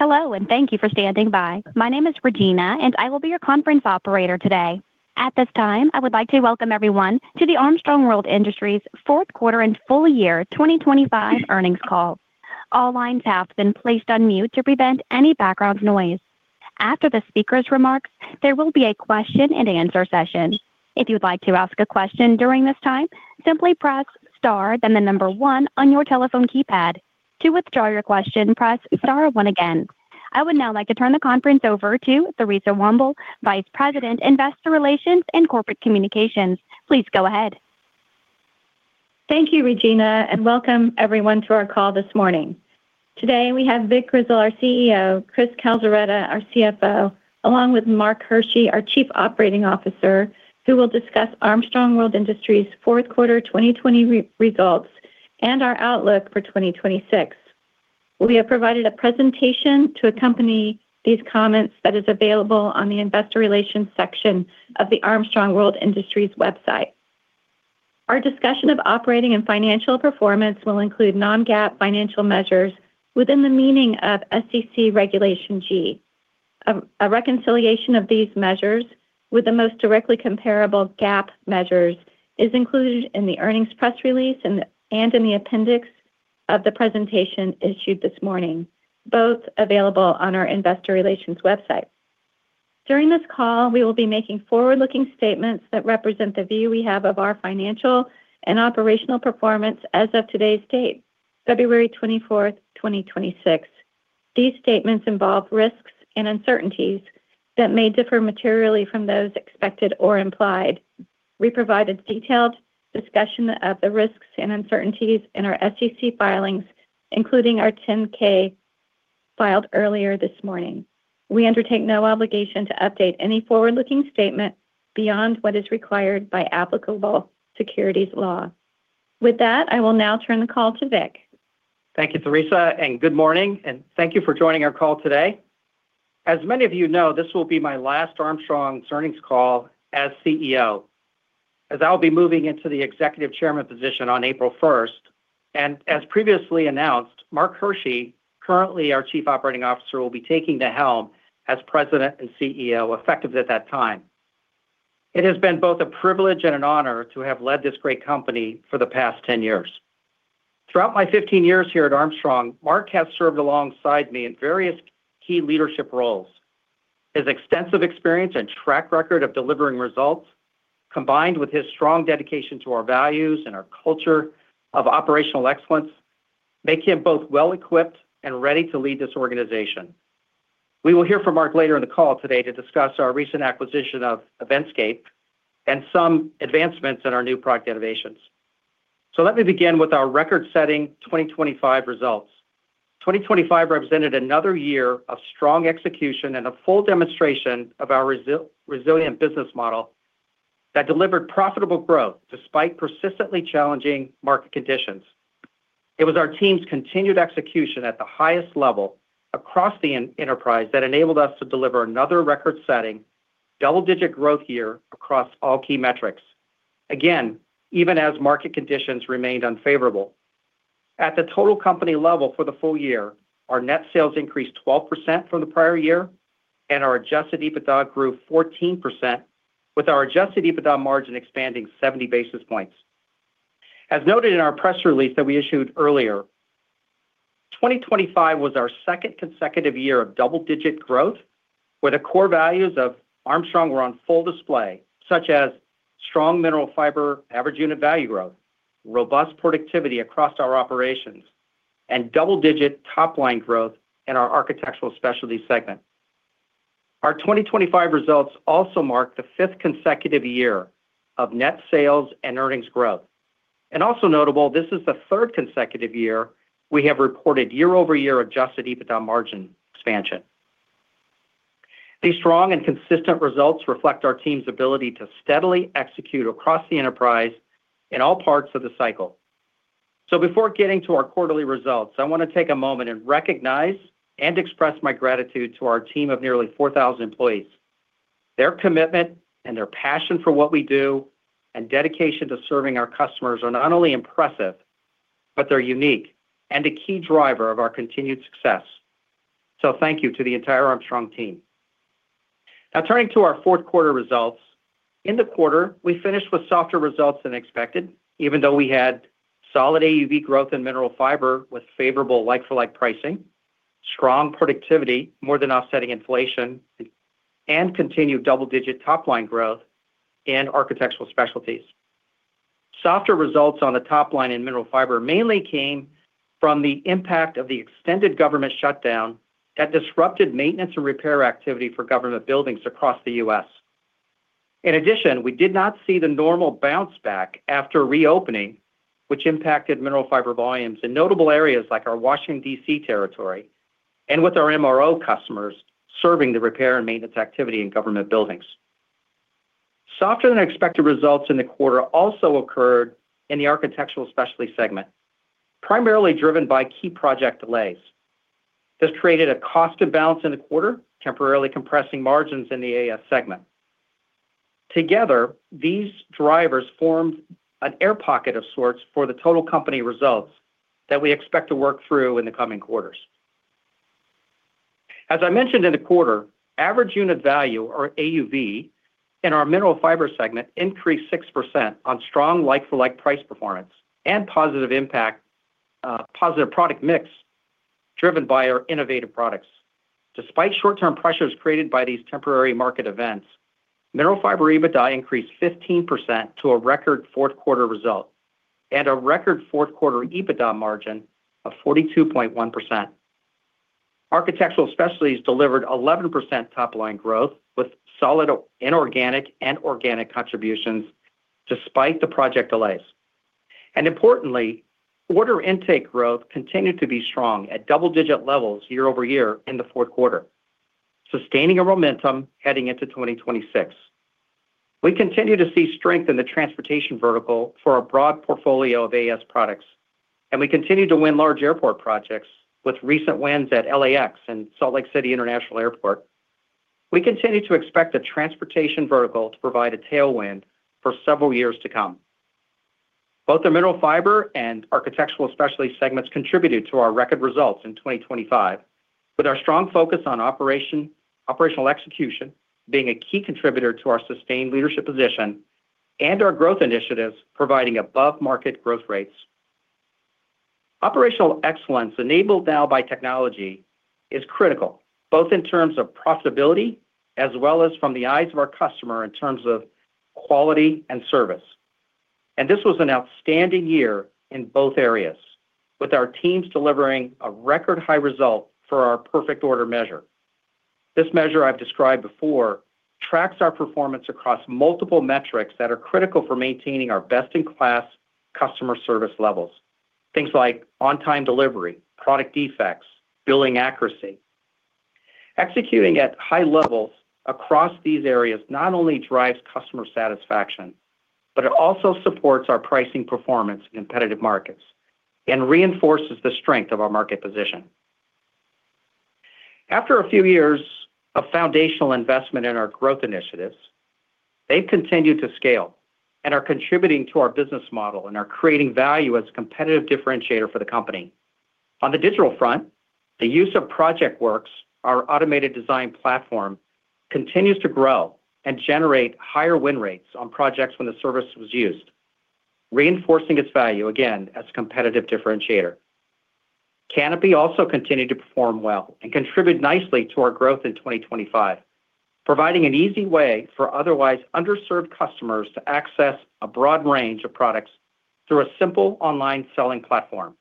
Hello, and thank you for standing by. My name is Regina, and I will be your conference operator today. At this time, I would like to welcome everyone to the Armstrong World Industries fourth quarter and full year 2025 earnings call. All lines have been placed on mute to prevent any background noise. After the speaker's remarks, there will be a question-and-answer session. If you'd like to ask a question during this time, simply press star, then the number one on your telephone keypad. To withdraw your question, press star one again. I would now like to turn the conference over to Theresa Womble, Vice President, Investor Relations and Corporate Communications. Please go ahead. Thank you, Regina, and welcome everyone to our call this morning. Today, we have Vic Grizzle, our CEO, Chris Calzaretta, our CFO, along with Mark Hershey, our Chief Operating Officer, who will discuss Armstrong World Industries' fourth quarter 2020 results and our outlook for 2026. We have provided a presentation to accompany these comments that is available on the Investor Relations section of the Armstrong World Industries website. Our discussion of operating and financial performance will include non-GAAP financial measures within the meaning of SEC Regulation G. A reconciliation of these measures with the most directly comparable GAAP measures is included in the earnings press release and in the appendix of the presentation issued this morning, both available on our Investor Relations website. During this call, we will be making forward-looking statements that represent the view we have of our financial and operational performance as of today's date, 24th February 2026. These statements involve risks and uncertainties that may differ materially from those expected or implied. We provided detailed discussion of the risks and uncertainties in our SEC filings, including our 10-K, filed earlier this morning. We undertake no obligation to update any forward-looking statement beyond what is required by applicable securities law. With that, I will now turn the call to Vic. Thank you, Theresa. Good morning, and thank you for joining our call today. As many of you know, this will be my last Armstrong's earnings call as CEO, as I'll be moving into the Executive Chairman position on 1 April. As previously announced, Mark Hershey, currently our Chief Operating Officer, will be taking the helm as President and CEO, effective at that time. It has been both a privilege and an honor to have led this great company for the past 10 years. Throughout my 15 years here at Armstrong, Mark has served alongside me in various key leadership roles. His extensive experience and track record of delivering results, combined with his strong dedication to our values and our culture of operational excellence, make him both well-equipped and ready to lead this organization. We will hear from Mark later in the call today to discuss our recent acquisition of Eventscape and some advancements in our new product innovations. Let me begin with our record-setting 2025 results. 2025 represented another year of strong execution and a full demonstration of our resilient business model that delivered profitable growth despite persistently challenging market conditions. It was our team's continued execution at the highest level across the enterprise that enabled us to deliver another record-setting, double-digit growth year across all key metrics. Again, even as market conditions remained unfavorable. At the total company level for the full year, our net sales increased 12% from the prior year, and our adjusted EBITDA grew 14%, with our adjusted EBITDA margin expanding 70 basis points. As noted in our press release that we issued earlier, 2025 was our second consecutive year of double-digit growth, where the core values of Armstrong were on full display, such as strong mineral fiber, average unit value growth, robust productivity across our operations, and double-digit top-line growth in our architectural specialty segment. Our 2025 results also mark the fifth consecutive year of net sales and earnings growth. Also notable, this is the third consecutive year we have reported year-over-year adjusted EBITDA margin expansion. These strong and consistent results reflect our team's ability to steadily execute across the enterprise in all parts of the cycle. Before getting to our quarterly results, I wanna take a moment and recognize and express my gratitude to our team of nearly 4,000 employees. Their commitment and their passion for what we do and dedication to serving our customers are not only impressive, but they're unique and a key driver of our continued success. Thank you to the entire Armstrong team. Now, turning to our fourth quarter results. In the quarter, we finished with softer results than expected, even though we had solid AUV growth in mineral fiber with favorable like-for-like pricing, strong productivity, more than offsetting inflation, and continued double-digit top-line growth in architectural specialties. Softer results on the top line in mineral fiber mainly came from the impact of the extended government shutdown that disrupted maintenance and repair activity for government buildings across the U.S. We did not see the normal bounce back after reopening, which impacted mineral fiber volumes in notable areas like our Washington, D.C. territory, and with our MRO customers serving the repair and maintenance activity in government buildings. Softer-than-expected results in the quarter also occurred in the architectural specialty segment, primarily driven by key project delays. This created a cost imbalance in the quarter, temporarily compressing margins in the AS segment. These drivers formed an air pocket of sorts for the total company results that we expect to work through in the coming quarters. As I mentioned in the quarter, average unit value, or AUV, in our Mineral Fiber segment increased 6% on strong like-for-like price performance and positive impact, positive product mix driven by our innovative products. Despite short-term pressures created by these temporary market events, Mineral Fiber EBITDA increased 15% to a record fourth quarter result and a record fourth quarter EBITDA margin of 42.1%. Architectural Specialties delivered 11% top-line growth, with solid inorganic and organic contributions despite the project delays. Importantly, order intake growth continued to be strong at double-digit levels year-over-year in the fourth quarter, sustaining a momentum heading into 2026. We continue to see strength in the transportation vertical for a broad portfolio of AS products, and we continue to win large airport projects with recent wins at L.A.X. and Salt Lake City International Airport. We continue to expect the transportation vertical to provide a tailwind for several years to come. Both the Mineral Fiber and Architectural Specialty segments contributed to our record results in 2025, with our strong focus on operational execution being a key contributor to our sustained leadership position and our growth initiatives providing above-market growth rates. Operational excellence, enabled now by technology, is critical, both in terms of profitability as well as from the eyes of our customer in terms of quality and service. This was an outstanding year in both areas, with our teams delivering a record-high result for our perfect order measure. This measure I've described before tracks our performance across multiple metrics that are critical for maintaining our best-in-class customer service levels. Things like on-time delivery, product defects, billing accuracy. Executing at high levels across these areas not only drives customer satisfaction, but it also supports our pricing performance in competitive markets and reinforces the strength of our market position. After a few years of foundational investment in our growth initiatives, they've continued to scale and are contributing to our business model and are creating value as a competitive differentiator for the company. On the digital front, the use of ProjectWorks, our automated design platform, continues to grow and generate higher win rates on projects when the service was used, reinforcing its value again as a competitive differentiator. Kanopi also continued to perform well and contribute nicely to our growth in 2025, providing an easy way for otherwise underserved customers to access a broad range of products through a simple online selling platform.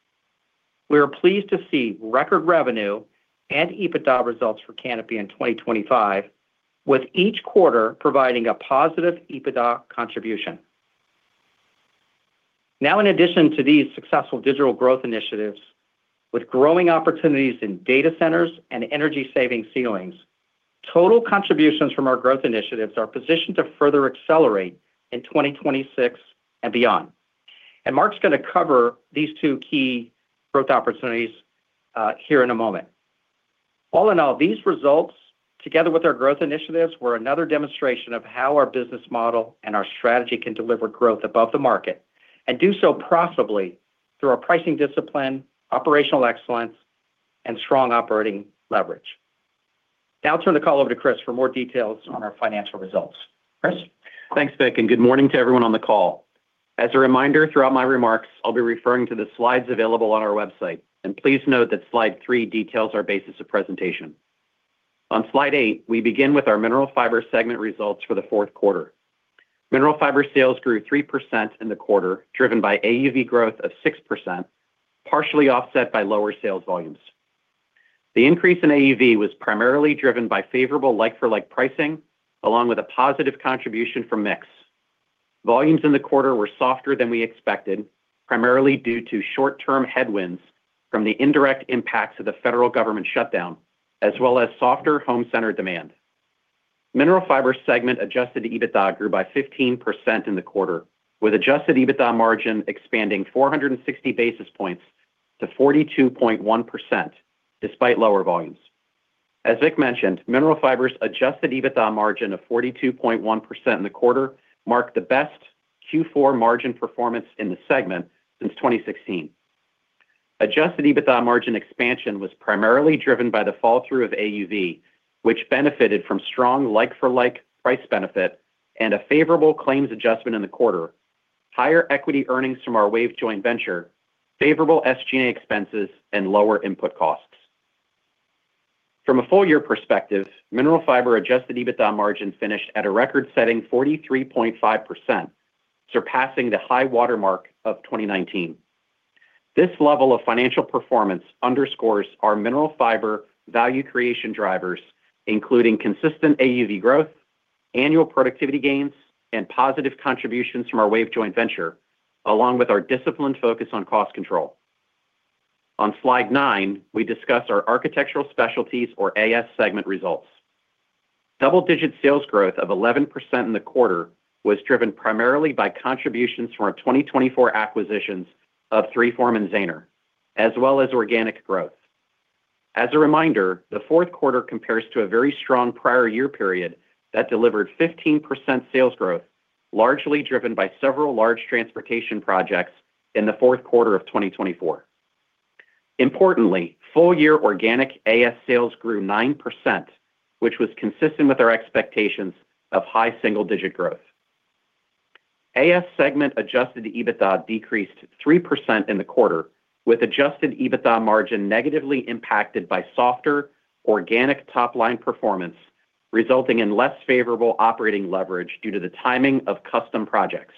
We are pleased to see record revenue and EBITDA results for Kanopi in 2025, with each quarter providing a positive EBITDA contribution. In addition to these successful digital growth initiatives, with growing opportunities in data centers and energy-saving ceilings, total contributions from our growth initiatives are positioned to further accelerate in 2026 and beyond. Mark's gonna cover these two key growth opportunities here in a moment. All in all, these results, together with our growth initiatives, were another demonstration of how our business model and our strategy can deliver growth above the market and do so profitably through our pricing discipline, operational excellence, and strong operating leverage. I'll turn the call over to Chris for more details on our financial results. Chris? Thanks, Vic. Good morning to everyone on the call. As a reminder, throughout my remarks, I'll be referring to the slides available on our website, and please note that slide three details our basis of presentation. On slide eight, we begin with our Mineral Fiber segment results for the fourth quarter. Mineral Fiber sales grew 3% in the quarter, driven by AUV growth of 6%, partially offset by lower sales volumes. The increase in AUV was primarily driven by favorable like-for-like pricing, along with a positive contribution from mix. Volumes in the quarter were softer than we expected, primarily due to short-term headwinds from the indirect impacts of the federal government shutdown, as well as softer home center demand. Mineral Fiber segment adjusted EBITDA grew by 15% in the quarter, with adjusted EBITDA margin expanding 460 basis points to 42.1%, despite lower volumes. As Vic mentioned, Mineral Fiber's adjusted EBITDA margin of 42.1% in the quarter marked the best Q4 margin performance in the segment since 2016. Adjusted EBITDA margin expansion was primarily driven by the fall-through of AUV, which benefited from strong like-for-like price benefit and a favorable claims adjustment in the quarter, higher equity earnings from our WAVE joint venture, favorable SG&A expenses, and lower input costs. From a full year perspective, Mineral Fiber adjusted EBITDA margin finished at a record-setting 43.5%, surpassing the high watermark of 2019. This level of financial performance underscores our Mineral Fiber value creation drivers, including consistent AUV growth, annual productivity gains, and positive contributions from our WAVE joint venture, along with our disciplined focus on cost control. On slide nine, we discuss our Architectural Specialties, or AS, segment results. Double-digit sales growth of 11% in the quarter was driven primarily by contributions from our 2024 acquisitions of 3form and Zahner, as well as organic growth. As a reminder, the fourth quarter compares to a very strong prior year period that delivered 15% sales growth, largely driven by several large transportation projects in the fourth quarter of 2024. Importantly, full-year organic AS sales grew 9%, which was consistent with our expectations of high single-digit growth. AS segment adjusted EBITDA decreased 3% in the quarter, with adjusted EBITDA margin negatively impacted by softer organic top-line performance, resulting in less favorable operating leverage due to the timing of custom projects.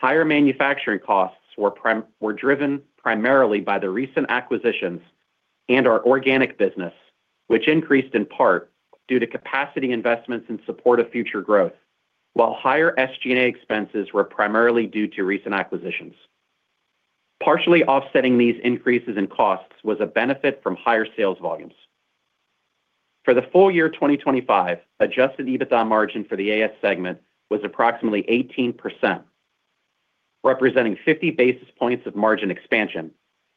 Higher manufacturing costs were driven primarily by the recent acquisitions and our organic business, which increased in part due to capacity investments in support of future growth, while higher SG&A expenses were primarily due to recent acquisitions. Partially offsetting these increases in costs was a benefit from higher sales volumes. For the full year 2025, adjusted EBITDA margin for the AS segment was approximately 18%, representing 50 basis points of margin expansion,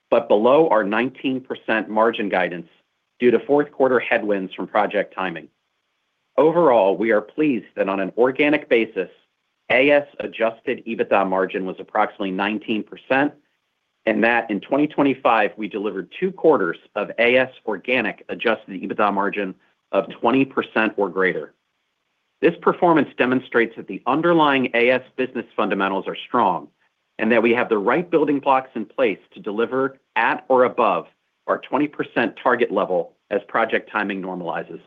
but below our 19% margin guidance due to fourth quarter headwinds from project timing. Overall, we are pleased that on an organic basis, AS adjusted EBITDA margin was approximately 19%, and that in 2025, we delivered 2 quarters of AS organic adjusted EBITDA margin of 20% or greater. This performance demonstrates that the underlying AS business fundamentals are strong and that we have the right building blocks in place to deliver at or above our 20% target level as project timing normalizes.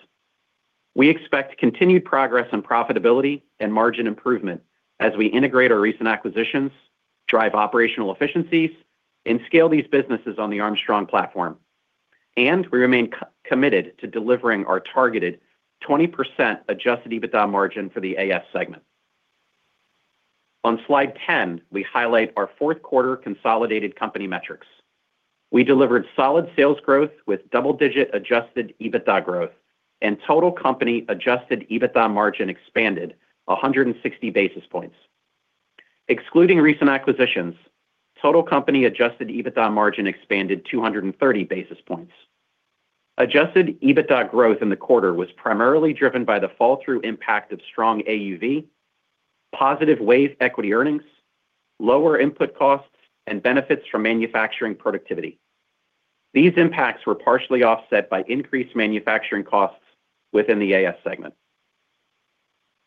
We expect continued progress on profitability and margin improvement as we integrate our recent acquisitions, drive operational efficiencies, and scale these businesses on the Armstrong platform. We remain committed to delivering our targeted 20% adjusted EBITDA margin for the AS segment. On Slide 10, we highlight our fourth quarter consolidated company metrics. We delivered solid sales growth with double-digit adjusted EBITDA growth, and total company adjusted EBITDA margin expanded 160 basis points. Excluding recent acquisitions, total company adjusted EBITDA margin expanded 230 basis points. adjusted EBITDA growth in the quarter was primarily driven by the fall-through impact of strong AUV, positive WAVE equity earnings, lower input costs, and benefits from manufacturing productivity. These impacts were partially offset by increased manufacturing costs within the AS segment.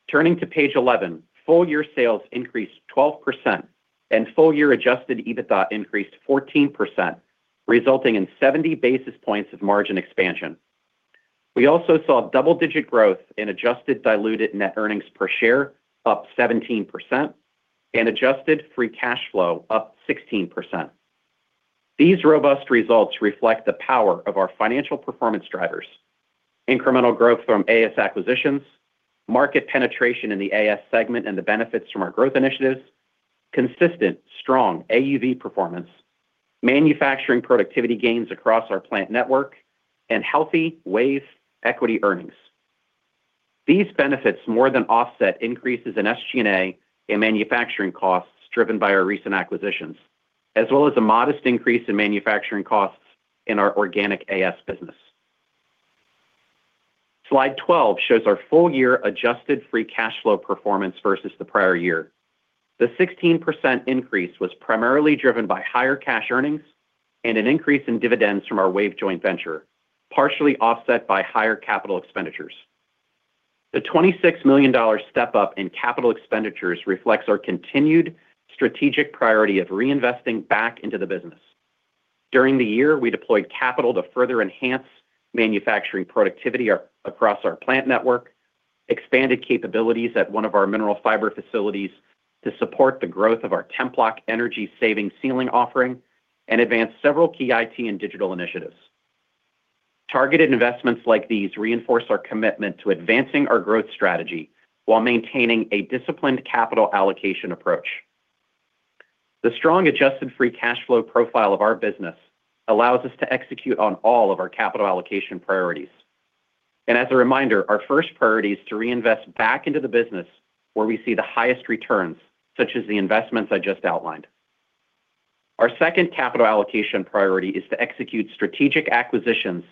Turning to page 11, full year sales increased 12% and full year adjusted EBITDA increased 14%, resulting in 70 basis points of margin expansion. We also saw double-digit growth in adjusted diluted net earnings per share, up 17%, and adjusted free cash flow, up 16%. These robust results reflect the power of our financial performance drivers: incremental growth from AS acquisitions, market penetration in the AS segment, and the benefits from our growth initiatives, consistent strong AUV performance, manufacturing productivity gains across our plant network, and healthy WAVE equity earnings. These benefits more than offset increases in SG&A and manufacturing costs driven by our recent acquisitions, as well as a modest increase in manufacturing costs in our organic AS business. Slide 12 shows our full year adjusted free cash flow performance versus the prior year. The 16% increase was primarily driven by higher cash earnings and an increase in dividends from our WAVE joint venture, partially offset by higher CapEx. The $26 million step-up in CapEx reflects our continued strategic priority of reinvesting back into the business. During the year, we deployed capital to further enhance manufacturing productivity across our plant network, expanded capabilities at one of our mineral fiber facilities to support the growth of our TEMPLOK energy-saving ceiling offering, and advanced several key IT and digital initiatives. Targeted investments like these reinforce our commitment to advancing our growth strategy while maintaining a disciplined capital allocation approach. The strong adjusted free cash flow profile of our business allows us to execute on all of our capital allocation priorities. As a reminder, our first priority is to reinvest back into the business where we see the highest returns, such as the investments I just outlined. Our second capital allocation priority is to execute strategic acquisitions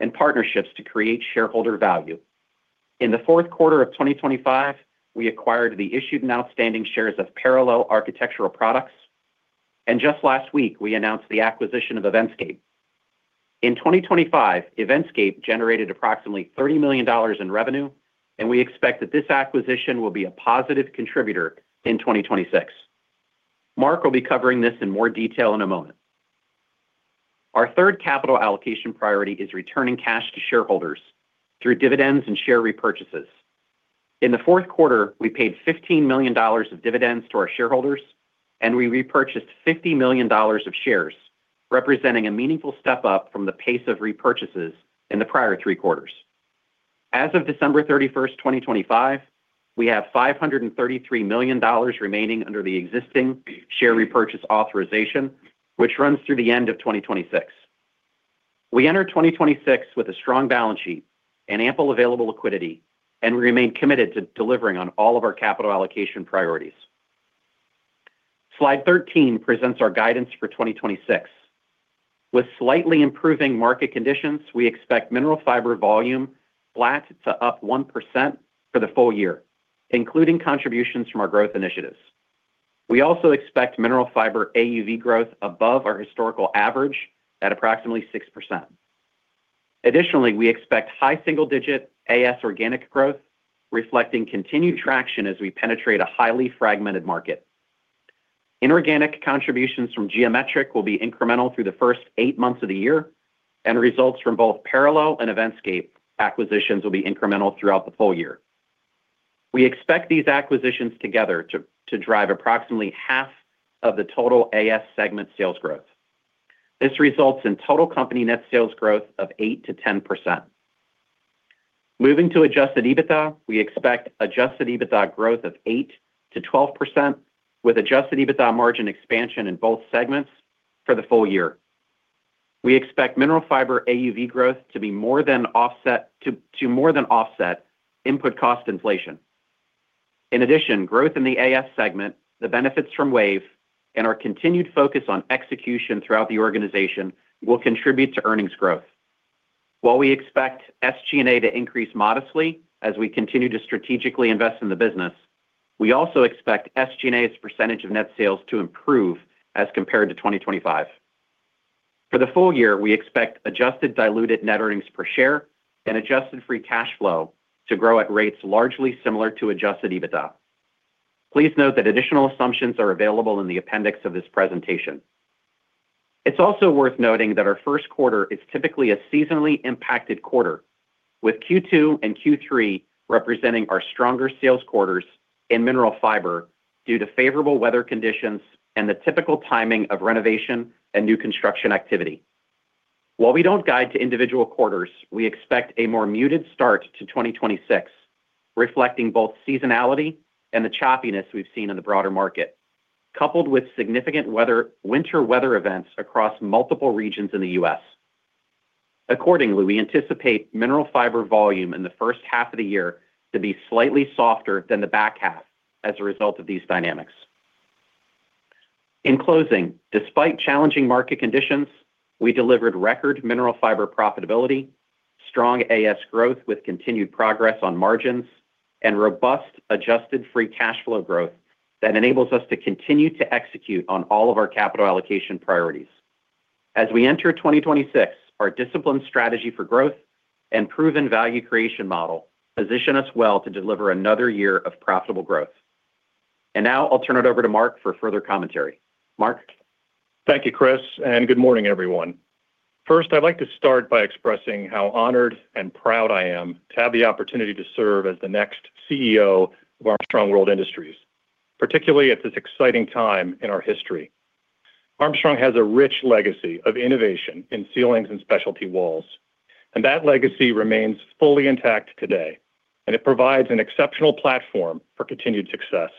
and partnerships to create shareholder value. In the fourth quarter of 2025, we acquired the issued and outstanding shares of Parallel Architectural Products, and just last week, we announced the acquisition of Eventscape. In 2025, Eventscape generated approximately $30 million in revenue, and we expect that this acquisition will be a positive contributor in 2026. Mark will be covering this in more detail in a moment. Our third capital allocation priority is returning cash to shareholders through dividends and share repurchases. In the fourth quarter, we paid $15 million of dividends to our shareholders, and we repurchased $50 million of shares, representing a meaningful step up from the pace of repurchases in the prior 3 quarters. As of December 31, 2025, we have $533 million remaining under the existing share repurchase authorization, which runs through the end of 2026. We enter 2026 with a strong balance sheet and ample available liquidity. We remain committed to delivering on all of our capital allocation priorities. Slide 13 presents our guidance for 2026. With slightly improving market conditions, we expect mineral fiber volume flat to up 1% for the full year, including contributions from our growth initiatives. We also expect mineral fiber AUV growth above our historical average at approximately 6%. Additionally, we expect high single-digit AS organic growth, reflecting continued traction as we penetrate a highly fragmented market. Inorganic contributions from Geometrik will be incremental through the first 8 months of the year, and results from both Parallel and Eventscape acquisitions will be incremental throughout the full year. We expect these acquisitions together to drive approximately half of the total AS segment sales growth. This results in total company net sales growth of 8%-10%. Moving to adjusted EBITDA, we expect adjusted EBITDA growth of 8%-12%, with adjusted EBITDA margin expansion in both segments for the full year. We expect mineral fiber AUV growth to be more than offset to more than offset input cost inflation. In addition, growth in the AS segment, the benefits from WAVE, and our continued focus on execution throughout the organization will contribute to earnings growth. While we expect SG&A to increase modestly as we continue to strategically invest in the business, we also expect SG&A's percentage of net sales to improve as compared to 2025. For the full year, we expect adjusted diluted net earnings per share and adjusted free cash flow to grow at rates largely similar to adjusted EBITDA. Please note that additional assumptions are available in the appendix of this presentation. It's also worth noting that our first quarter is typically a seasonally impacted quarter, with Q2 and Q3 representing our stronger sales quarters in mineral fiber due to favorable weather conditions and the typical timing of renovation and new construction activity. While we don't guide to individual quarters, we expect a more muted start to 2026, reflecting both seasonality and the choppiness we've seen in the broader market, coupled with significant winter weather events across multiple regions in the U.S. Accordingly, we anticipate mineral fiber volume in the first half of the year to be slightly softer than the back half as a result of these dynamics. In closing, despite challenging market conditions, we delivered record mineral fiber profitability, strong AS growth with continued progress on margins, and robust adjusted free cash flow growth that enables us to continue to execute on all of our capital allocation priorities. As we enter 2026, our disciplined strategy for growth and proven value creation model position us well to deliver another year of profitable growth. Now I'll turn it over to Mark for further commentary. Mark? Thank you, Chris, and good morning, everyone. First, I'd like to start by expressing how honored and proud I am to have the opportunity to serve as the next CEO of Armstrong World Industries, particularly at this exciting time in our history. Armstrong has a rich legacy of innovation in ceilings and specialty walls, and that legacy remains fully intact today, and it provides an exceptional platform for continued success.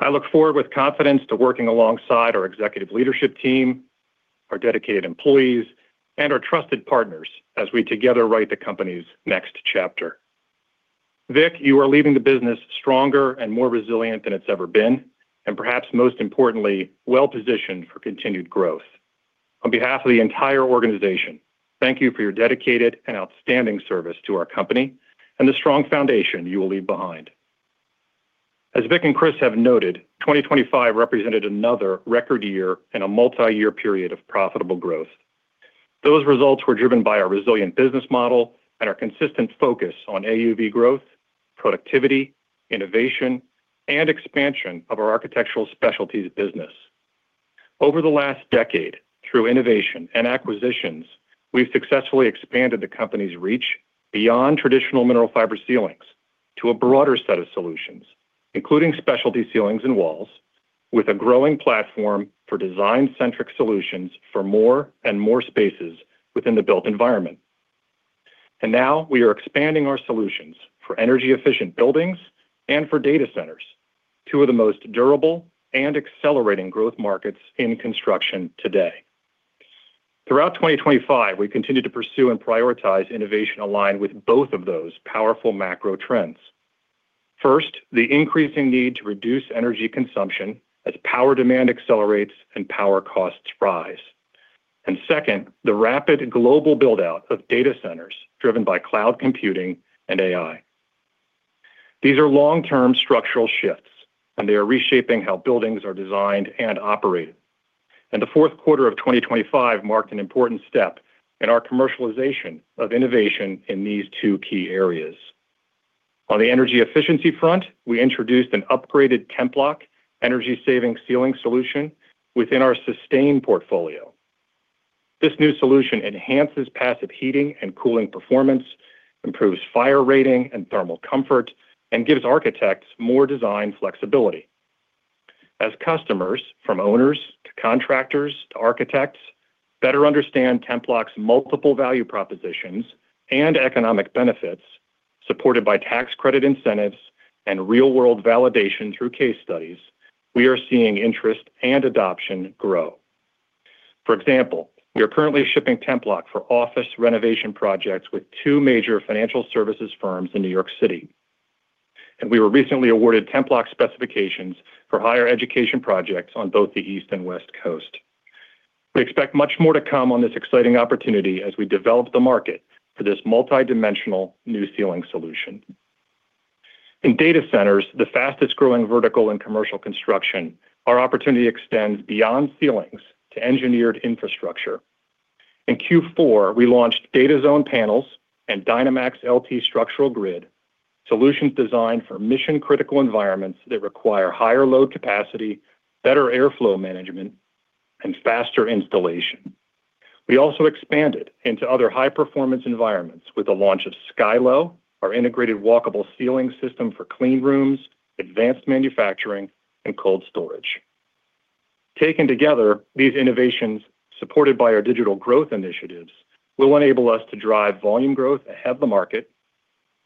I look forward with confidence to working alongside our executive leadership team, our dedicated employees, and our trusted partners as we together write the company's next chapter. Vic, you are leaving the business stronger and more resilient than it's ever been, and perhaps most importantly, well-positioned for continued growth. On behalf of the entire organization, thank you for your dedicated and outstanding service to our company and the strong foundation you will leave behind. As Vic and Chris have noted, 2025 represented another record year and a multiyear period of profitable growth. Those results were driven by our resilient business model and our consistent focus on AUV growth, productivity, innovation, and expansion of our architectural specialties business. Over the last decade, through innovation and acquisitions, we've successfully expanded the company's reach beyond traditional mineral fiber ceilings to a broader set of solutions, including specialty ceilings and walls, with a growing platform for design-centric solutions for more and more spaces within the built environment. Now we are expanding our solutions for energy-efficient buildings and for data centers, two of the most durable and accelerating growth markets in construction today. Throughout 2025, we continued to pursue and prioritize innovation aligned with both of those powerful macro trends. First, the increasing need to reduce energy consumption as power demand accelerates and power costs rise. Second, the rapid global build-out of data centers driven by cloud computing and AI. These are long-term structural shifts, and they are reshaping how buildings are designed and operated. The fourth quarter of 2025 marked an important step in our commercialization of innovation in these two key areas. On the energy efficiency front, we introduced an upgraded TEMPLOK energy-saving ceiling solution within our Sustain portfolio. This new solution enhances passive heating and cooling performance, improves fire rating and thermal comfort, and gives architects more design flexibility. As customers, from owners to contractors to architects, better understand TEMPLOK's multiple value propositions and economic benefits, supported by tax credit incentives and real-world validation through case studies, we are seeing interest and adoption grow. For example, we are currently shipping TEMPLOK for office renovation projects with two major financial services firms in New York City. We were recently awarded TEMPLOK specifications for higher education projects on both the East and West Coast. We expect much more to come on this exciting opportunity as we develop the market for this multidimensional new ceiling solution. In data centers, the fastest-growing vertical in commercial construction, our opportunity extends beyond ceilings to engineered infrastructure. In Q4, we launched DATAZONE panels and DYNAMAX LT structural grid, solutions designed for mission-critical environments that require higher load capacity, better airflow management, and faster installation. We also expanded into other high-performance environments with the launch of SKYLO, our integrated walkable ceiling system for clean rooms, advanced manufacturing, and cold storage. Taken together, these innovations, supported by our digital growth initiatives, will enable us to drive volume growth ahead of the market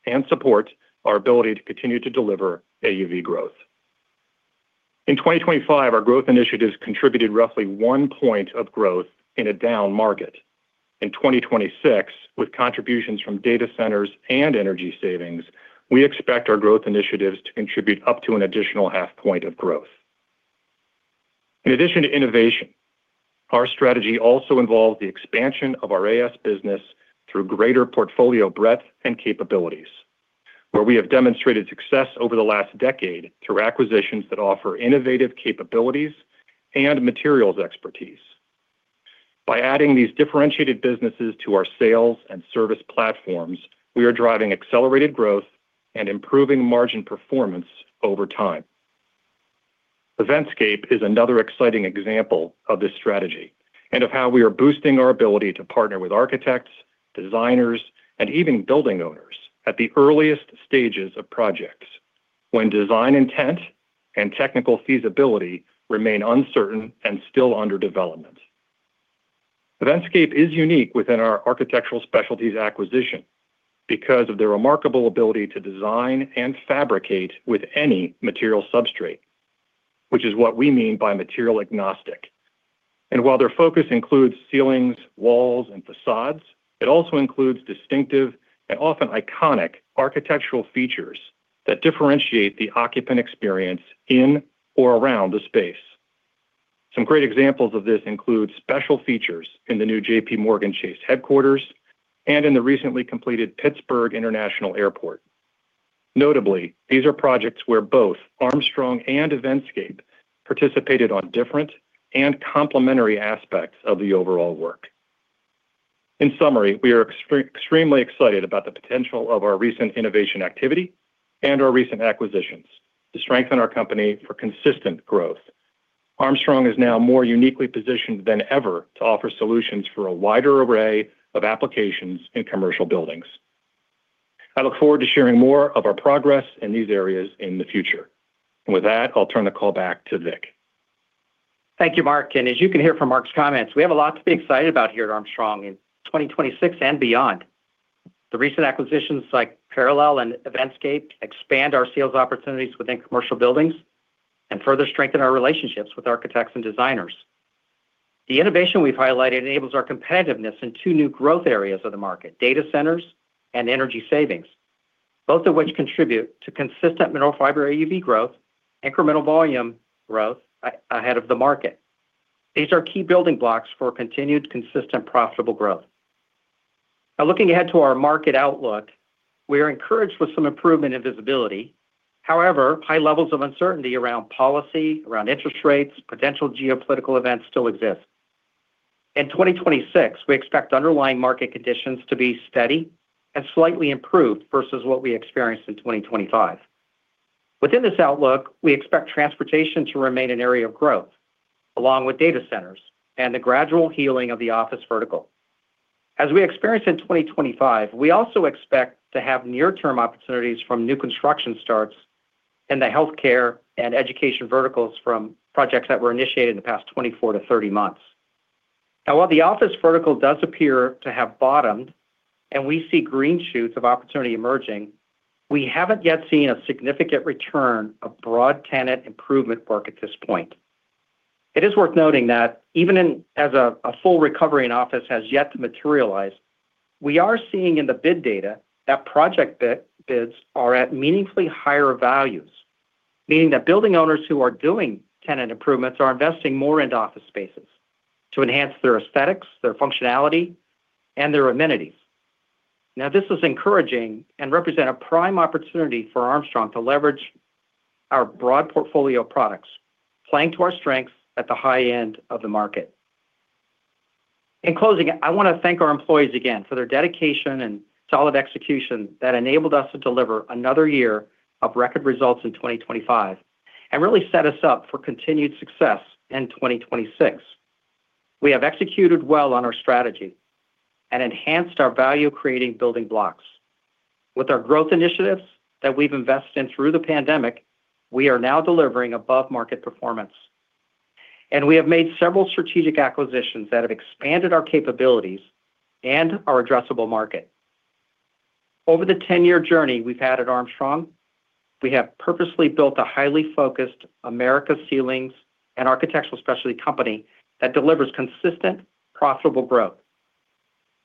and support our ability to continue to deliver AUV growth. In 2025, our growth initiatives contributed roughly one point of growth in a down market. In 2026, with contributions from data centers and energy savings, we expect our growth initiatives to contribute up to an additional half point of growth. In addition to innovation, our strategy also involves the expansion of our AS business through greater portfolio breadth and capabilities, where we have demonstrated success over the last decade through acquisitions that offer innovative capabilities and materials expertise. By adding these differentiated businesses to our sales and service platforms, we are driving accelerated growth and improving margin performance over time. Eventscape is another exciting example of this strategy and of how we are boosting our ability to partner with architects, designers, and even building owners at the earliest stages of projects when design intent and technical feasibility remain uncertain and still under development. Eventscape is unique within our architectural specialties acquisition because of their remarkable ability to design and fabricate with any material substrate, which is what we mean by material agnostic. While their focus includes ceilings, walls, and facades, it also includes distinctive and often iconic architectural features that differentiate the occupant experience in or around the space. Some great examples of this include special features in the new JPMorgan Chase headquarters and in the recently completed Pittsburgh International Airport. Notably, these are projects where both Armstrong and Eventscape participated on different and complementary aspects of the overall work. In summary, we are extremely excited about the potential of our recent innovation activity and our recent acquisitions to strengthen our company for consistent growth. Armstrong is now more uniquely positioned than ever to offer solutions for a wider array of applications in commercial buildings. I look forward to sharing more of our progress in these areas in the future. With that, I'll turn the call back to Vic. Thank you, Mark. As you can hear from Mark's comments, we have a lot to be excited about here at Armstrong in 2026 and beyond. The recent acquisitions like Parallel and Eventscape, expand our sales opportunities within commercial buildings and further strengthen our relationships with architects and designers. The innovation we've highlighted enables our competitiveness in two new growth areas of the market: data centers and energy savings, both of which contribute to consistent mineral fiber AUV growth, incremental volume growth ahead of the market. These are key building blocks for continued, consistent, profitable growth. Looking ahead to our market outlook, we are encouraged with some improvement in visibility. However, high levels of uncertainty around policy, around interest rates, potential geopolitical events still exist. In 2026, we expect underlying market conditions to be steady and slightly improved versus what we experienced in 2025. Within this outlook, we expect transportation to remain an area of growth, along with data centers and the gradual healing of the office vertical. As we experienced in 2025, we also expect to have near-term opportunities from new construction starts in the healthcare and education verticals from projects that were initiated in the past 24 to 30 months. While the office vertical does appear to have bottomed and we see green shoots of opportunity emerging, we haven't yet seen a significant return of broad tenant improvement work at this point. It is worth noting that even as a full recovery in office has yet to materialize, we are seeing in the bid data that project bids are at meaningfully higher values, meaning that building owners who are doing tenant improvements are investing more into office spaces to enhance their aesthetics, their functionality, and their amenities. Now, this is encouraging and represent a prime opportunity for Armstrong to leverage our broad portfolio of products, playing to our strengths at the high end of the market. In closing, I want to thank our employees again for their dedication and solid execution that enabled us to deliver another year of record results in 2025, and really set us up for continued success in 2026. We have executed well on our strategy and enhanced our value-creating building blocks. With our growth initiatives that we've invested in through the pandemic, we are now delivering above-market performance, and we have made several strategic acquisitions that have expanded our capabilities and our addressable market. Over the 10-year journey we've had at Armstrong, we have purposely built a highly focused America ceilings and architectural specialty company that delivers consistent, profitable growth.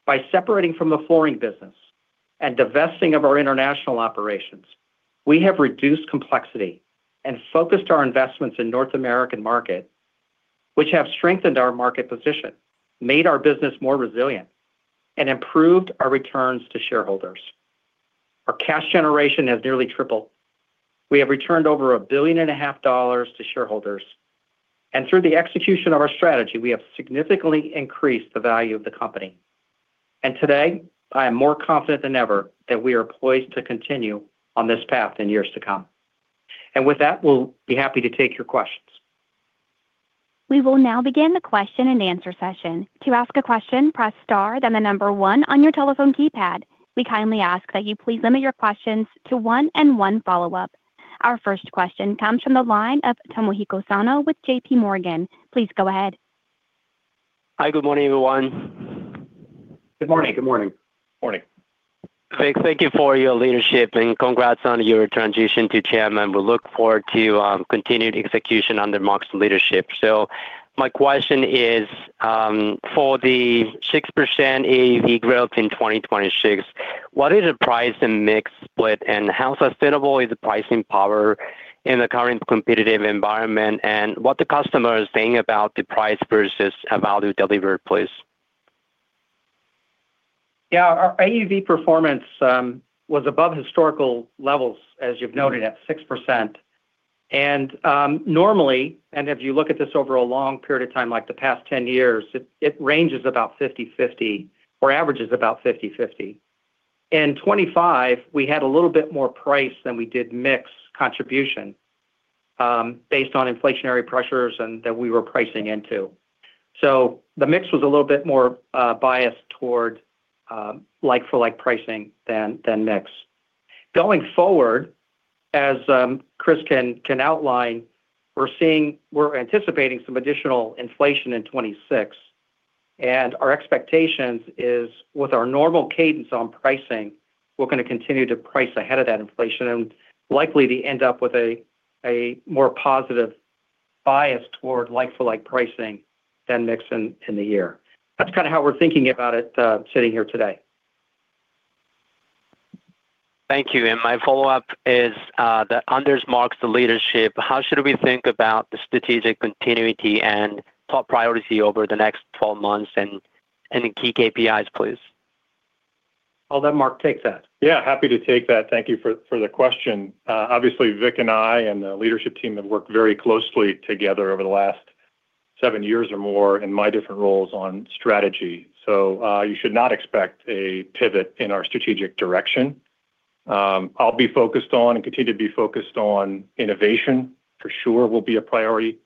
By separating from the flooring business and divesting of our international operations, we have reduced complexity and focused our investments in North American market, which have strengthened our market position, made our business more resilient, and improved our returns to shareholders. Our cash generation has nearly tripled. We have returned over a billion and a half dollars to shareholders, and through the execution of our strategy, we have significantly increased the value of the company. Today, I am more confident than ever that we are poised to continue on this path in years to come. With that, we'll be happy to take your questions. We will now begin the question-and-answer session. To ask a question, press star, then 1 on your telephone keypad. We kindly ask that you please limit your questions to one and one follow-up. Our first question comes from the line of Tomohiko Sano with JPMorgan. Please go ahead. Hi. Good morning, everyone. Good morning. Good morning. Good morning. Thank you for your leadership, congrats on your transition to chairman. We look forward to continued execution under Mark's leadership. My question is for the 6% AUV growth in 2026, what is the price and mix split? How sustainable is the pricing power in the current competitive environment? What the customer is saying about the price versus value delivered, please? Our AUV performance was above historical levels, as you've noted, at 6%. Normally, and if you look at this over a long period of time, like the past 10 years, it ranges about 50/50, or averages about 50/50. In 2025, we had a little bit more price than we did mix contribution, based on inflationary pressures and that we were pricing into. The mix was a little bit more biased toward like-for-like pricing than mix. Going forward, as Chris can outline, we're anticipating some additional inflation in 2026, and our expectations is, with our normal cadence on pricing, we're gonna continue to price ahead of that inflation and likely to end up with a more positive bias toward like-for-like pricing than mix in the year. That's kinda how we're thinking about it, sitting here today. Thank you. My follow-up is that under Mark's leadership, how should we think about the strategic continuity and top priority over the next 12 months and any key KPIs, please? I'll let Mark take that. Yeah, happy to take that. Thank you for the question. Obviously, Vic and I and the leadership team have worked very closely together over the last seven years or more in my different roles on strategy, you should not expect a pivot in our strategic direction. I'll be focused on and continue to be focused on innovation, for sure, will be a priority.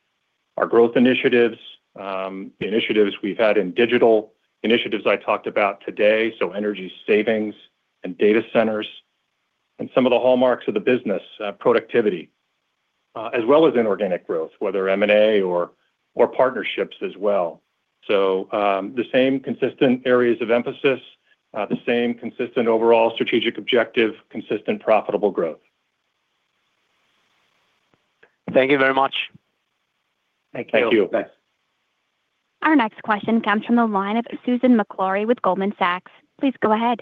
Our growth initiatives, the initiatives we've had in digital, initiatives I talked about today, energy savings and data centers and some of the hallmarks of the business, productivity, as well as inorganic growth, whether M&A or partnerships as well. The same consistent areas of emphasis, the same consistent overall strategic objective, consistent profitable growth. Thank you very much. Thank you. Thank you. Our next question comes from the line of Susan Maklari with Goldman Sachs. Please go ahead.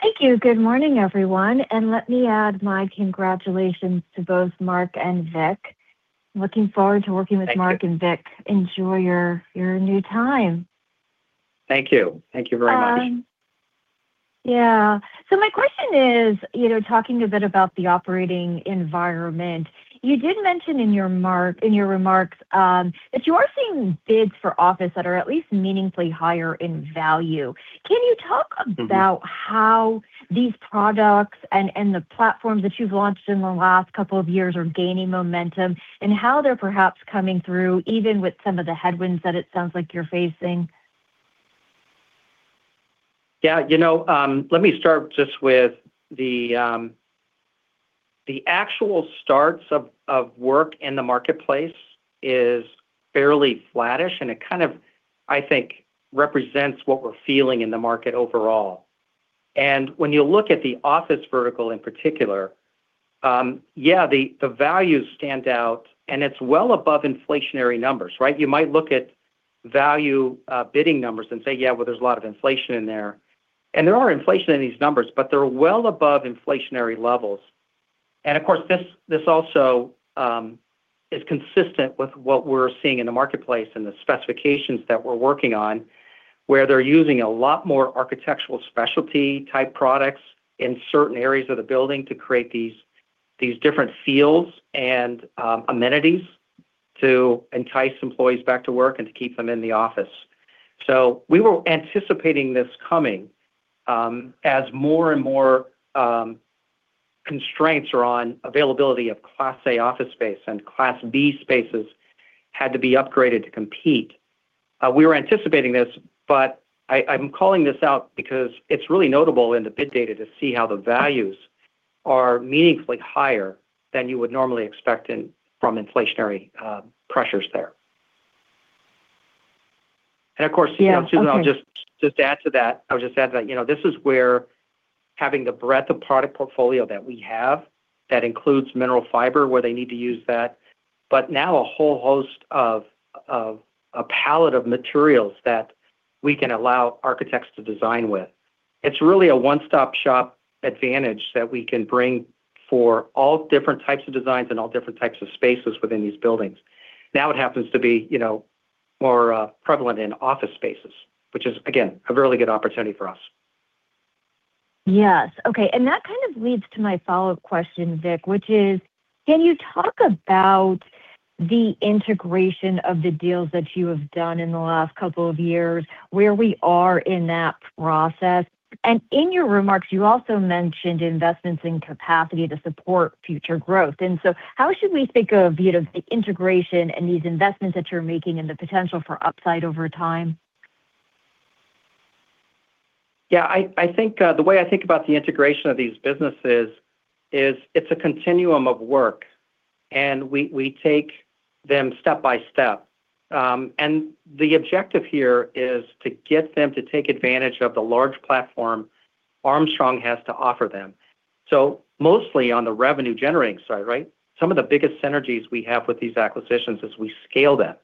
Thank you. Good morning, everyone. Let me add my congratulations to both Mark and Vic. Looking forward to working-. Thank you. with Mark and Vic. Enjoy your new time. Thank you. Thank you very much. My question is, you know, talking a bit about the operating environment, you did mention in your remarks, that you are seeing bids for office that are at least meaningfully higher in value. Can you talk about? How these products and the platforms that you've launched in the last couple of years are gaining momentum and how they're perhaps coming through, even with some of the headwinds that it sounds like you're facing? Yeah let me start just with the actual starts of work in the marketplace is fairly flattish, and it kind of, I think, represents what we're feeling in the market overall. When you look at the office vertical in particular, yeah, the values stand out, and it's well above inflationary numbers, right? You might look at value bidding numbers and say, "Yeah, well, there's a lot of inflation in there." There are inflation in these numbers, but they're well above inflationary levels. Of course, this also is consistent with what we're seeing in the marketplace and the specifications that we're working on, where they're using a lot more architectural specialty-type products in certain areas of the building to create these different feels and amenities to entice employees back to work and to keep them in the office. We were anticipating this coming as more and more constraints are on availability of Class A office space, and Class B spaces had to be upgraded to compete. We were anticipating this, but I'm calling this out because it's really notable in the bid data to see how the values are meaningfully higher than you would normally expect in, from inflationary pressures there. Of course, Susan, I'll just add to that. I'll just add that, you know, this is where having the breadth of product portfolio that we have, that includes mineral fiber, where they need to use that, but now a whole host of a palette of materials that we can allow architects to design with. It's really a one-stop shop advantage that we can bring for all different types of designs and all different types of spaces within these buildings. Now, it happens to be, you know, more prevalent in office spaces, which is, again, a really good opportunity for us. Yes. Okay, that kind of leads to my follow-up question, Vic, which is: Can you talk about the integration of the deals that you have done in the last couple of years, where we are in that process? In your remarks, you also mentioned investments in capacity to support future growth. How should we think of, you know, the integration and these investments that you're making and the potential for upside over time? Yeah, I think the way I think about the integration of these businesses is it's a continuum of work, and we take them step by step. The objective here is to get them to take advantage of the large platform Armstrong has to offer them. Mostly on the revenue-generating side, right? Some of the biggest synergies we have with these acquisitions is we scale them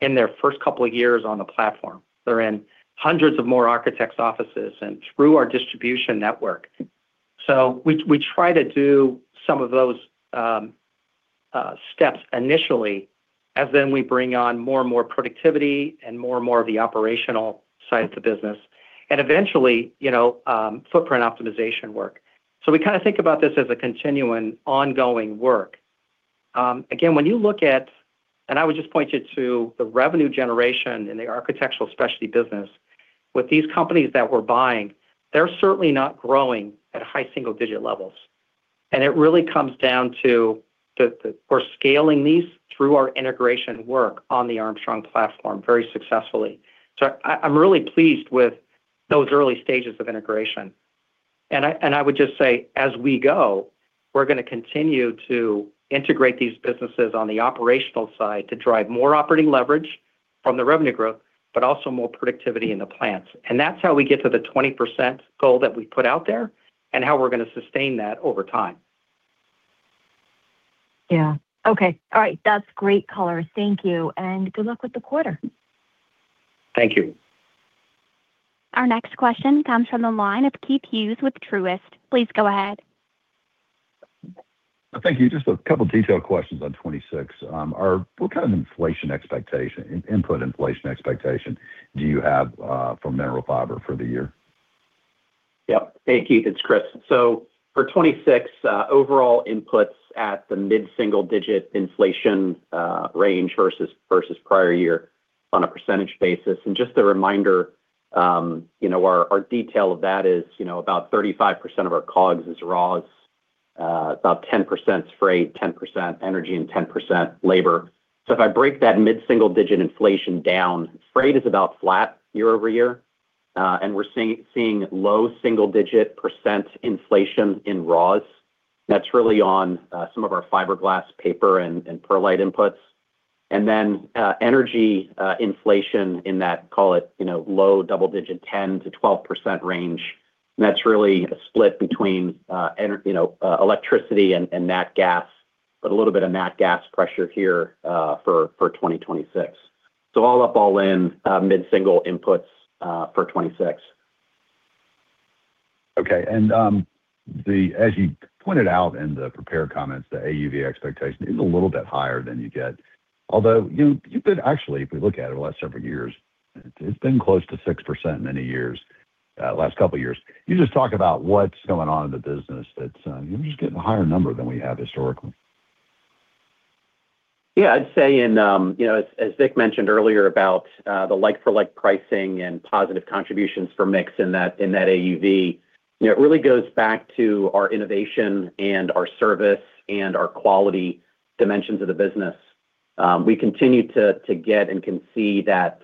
in their first couple of years on the platform. They're in hundreds of more architects' offices and through our distribution network. We, we try to do some of those steps initially, as then we bring on more and more productivity and more and more of the operational side of the business, and eventually, you know, footprint optimization work. We kinda think about this as a continuing, ongoing work. Again, when you look at I would just point you to the revenue generation in the architectural specialty business. With these companies that we're buying, they're certainly not growing at high single-digit levels. It really comes down to we're scaling these through our integration work on the Armstrong platform very successfully. I'm really pleased with those early stages of integration. I would just say, as we go, we're gonna continue to integrate these businesses on the operational side to drive more operating leverage from the revenue growth, but also more productivity in the plants. That's how we get to the 20% goal that we put out there, and how we're gonna sustain that over time. Yeah. Okay. All right. That's great color. Thank you, and good luck with the quarter. Thank you. Our next question comes from the line of Keith Hughes with Truist. Please go ahead. Thank you. Just a couple of detailed questions on 2026. What kind of inflation expectation, input inflation expectation do you have, for mineral fiber for the year? Yep. Hey, Keith, it's Chris. For 2026, overall inputs at the mid-single-digit inflation range versus prior year on a % basis. Just a reminder, you know, our detail of that is, you know, about 35% of our COGS is raws, about 10% freight, 10% energy, and 10% labor. If I break that mid-single-digit inflation down, freight is about flat year-over-year, and we're seeing low single-digit % inflation in raws. That's really on some of our fiberglass paper and perlite inputs. Then, energy inflation in that, call it, you know, low double digit, 10%-12% range, and that's really a split between you know, electricity and nat gas. A little bit of nat gas pressure here for 2026. All up, all in, mid-single inputs, for 26. Okay, as you pointed out in the prepared comments, the AUV expectation is a little bit higher than you get. Although, you could actually, if we look at it the last several years, it's been close to 6% many years, last couple of years. Can you just talk about what's going on in the business that, you're just getting a higher number than we have historically? Yeah, I'd say in, you know, as Vic mentioned earlier about the like-for-like pricing and positive contributions for mix in that AUV, you know, it really goes back to our innovation and our service and our quality dimensions of the business. We continue to get and can see that,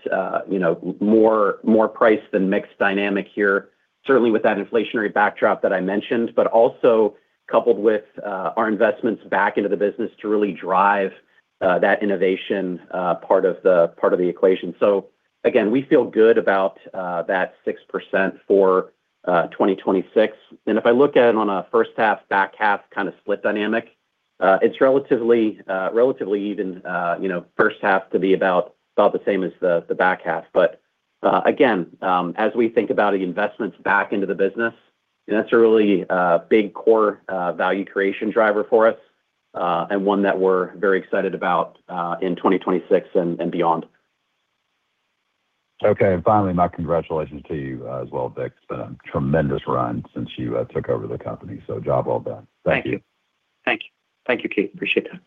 you know, more price than mixed dynamic here, certainly with that inflationary backdrop that I mentioned, but also coupled with our investments back into the business to really drive that innovation part of the equation. Again, we feel good about that 6% for 2026. If I look at it on a first half, back half kind of split dynamic, it's relatively even, you know, first half to be about the same as the back half. Again, as we think about the investments back into the business, that's a really, big core, value creation driver for us, and one that we're very excited about, in 2026 and beyond. Okay, finally, my congratulations to you as well, Vic. It's been a tremendous run since you took over the company, so job well done. Thank you. Thank you. Thank you, Keith. Appreciate that.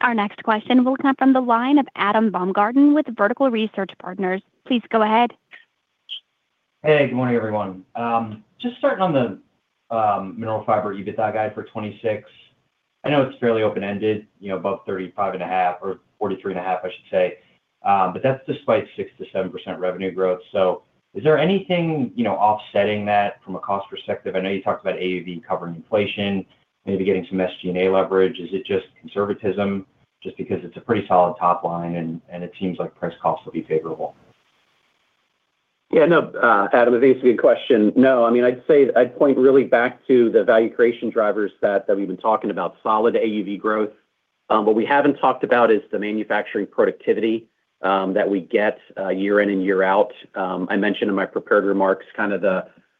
Our next question will come from the line of Adam Baumgarten with Vertical Research Partners. Please go ahead. Hey, good morning, everyone. Just starting on the mineral fiber, EBITDA guide for 2026. I know it's fairly open-ended, you know, above $35 and a half or $43 and a half, I should say, but that's despite 6%-7% revenue growth. Is there anything, you know, offsetting that from a cost perspective? I know you talked about AUV covering inflation, maybe getting some SG&A leverage. Is it just conservatism just because it's a pretty solid top line and it seems like price costs will be favorable? Yeah, no, Adam, that's a good question. No, I mean, I'd say I'd point really back to the value creation drivers that we've been talking about, solid AUV growth. What we haven't talked about is the manufacturing productivity that we get year in and year out. I mentioned in my prepared remarks kind of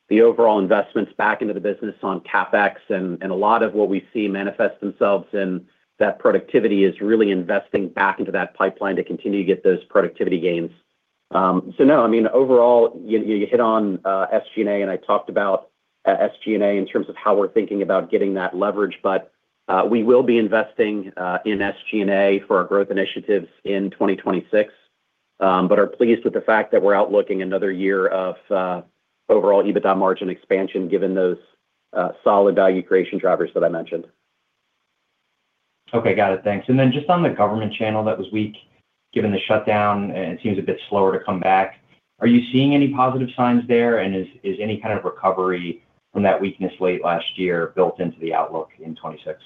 the overall investments back into the business on CapEx, and a lot of what we see manifest themselves in that productivity is really investing back into that pipeline to continue to get those productivity gains. No, I mean, overall, you hit on SG&A, and I talked about SG&A in terms of how we're thinking about getting that leverage, but we will be investing in SG&A for our growth initiatives in 2026. Are pleased with the fact that we're outlooking another year of overall EBITDA margin expansion, given those solid value creation drivers that I mentioned. Okay. Got it. Thanks. Just on the government channel that was weak, given the shutdown, and it seems a bit slower to come back, are you seeing any positive signs there? Is any kind of recovery from that weakness late last year built into the outlook in 2026?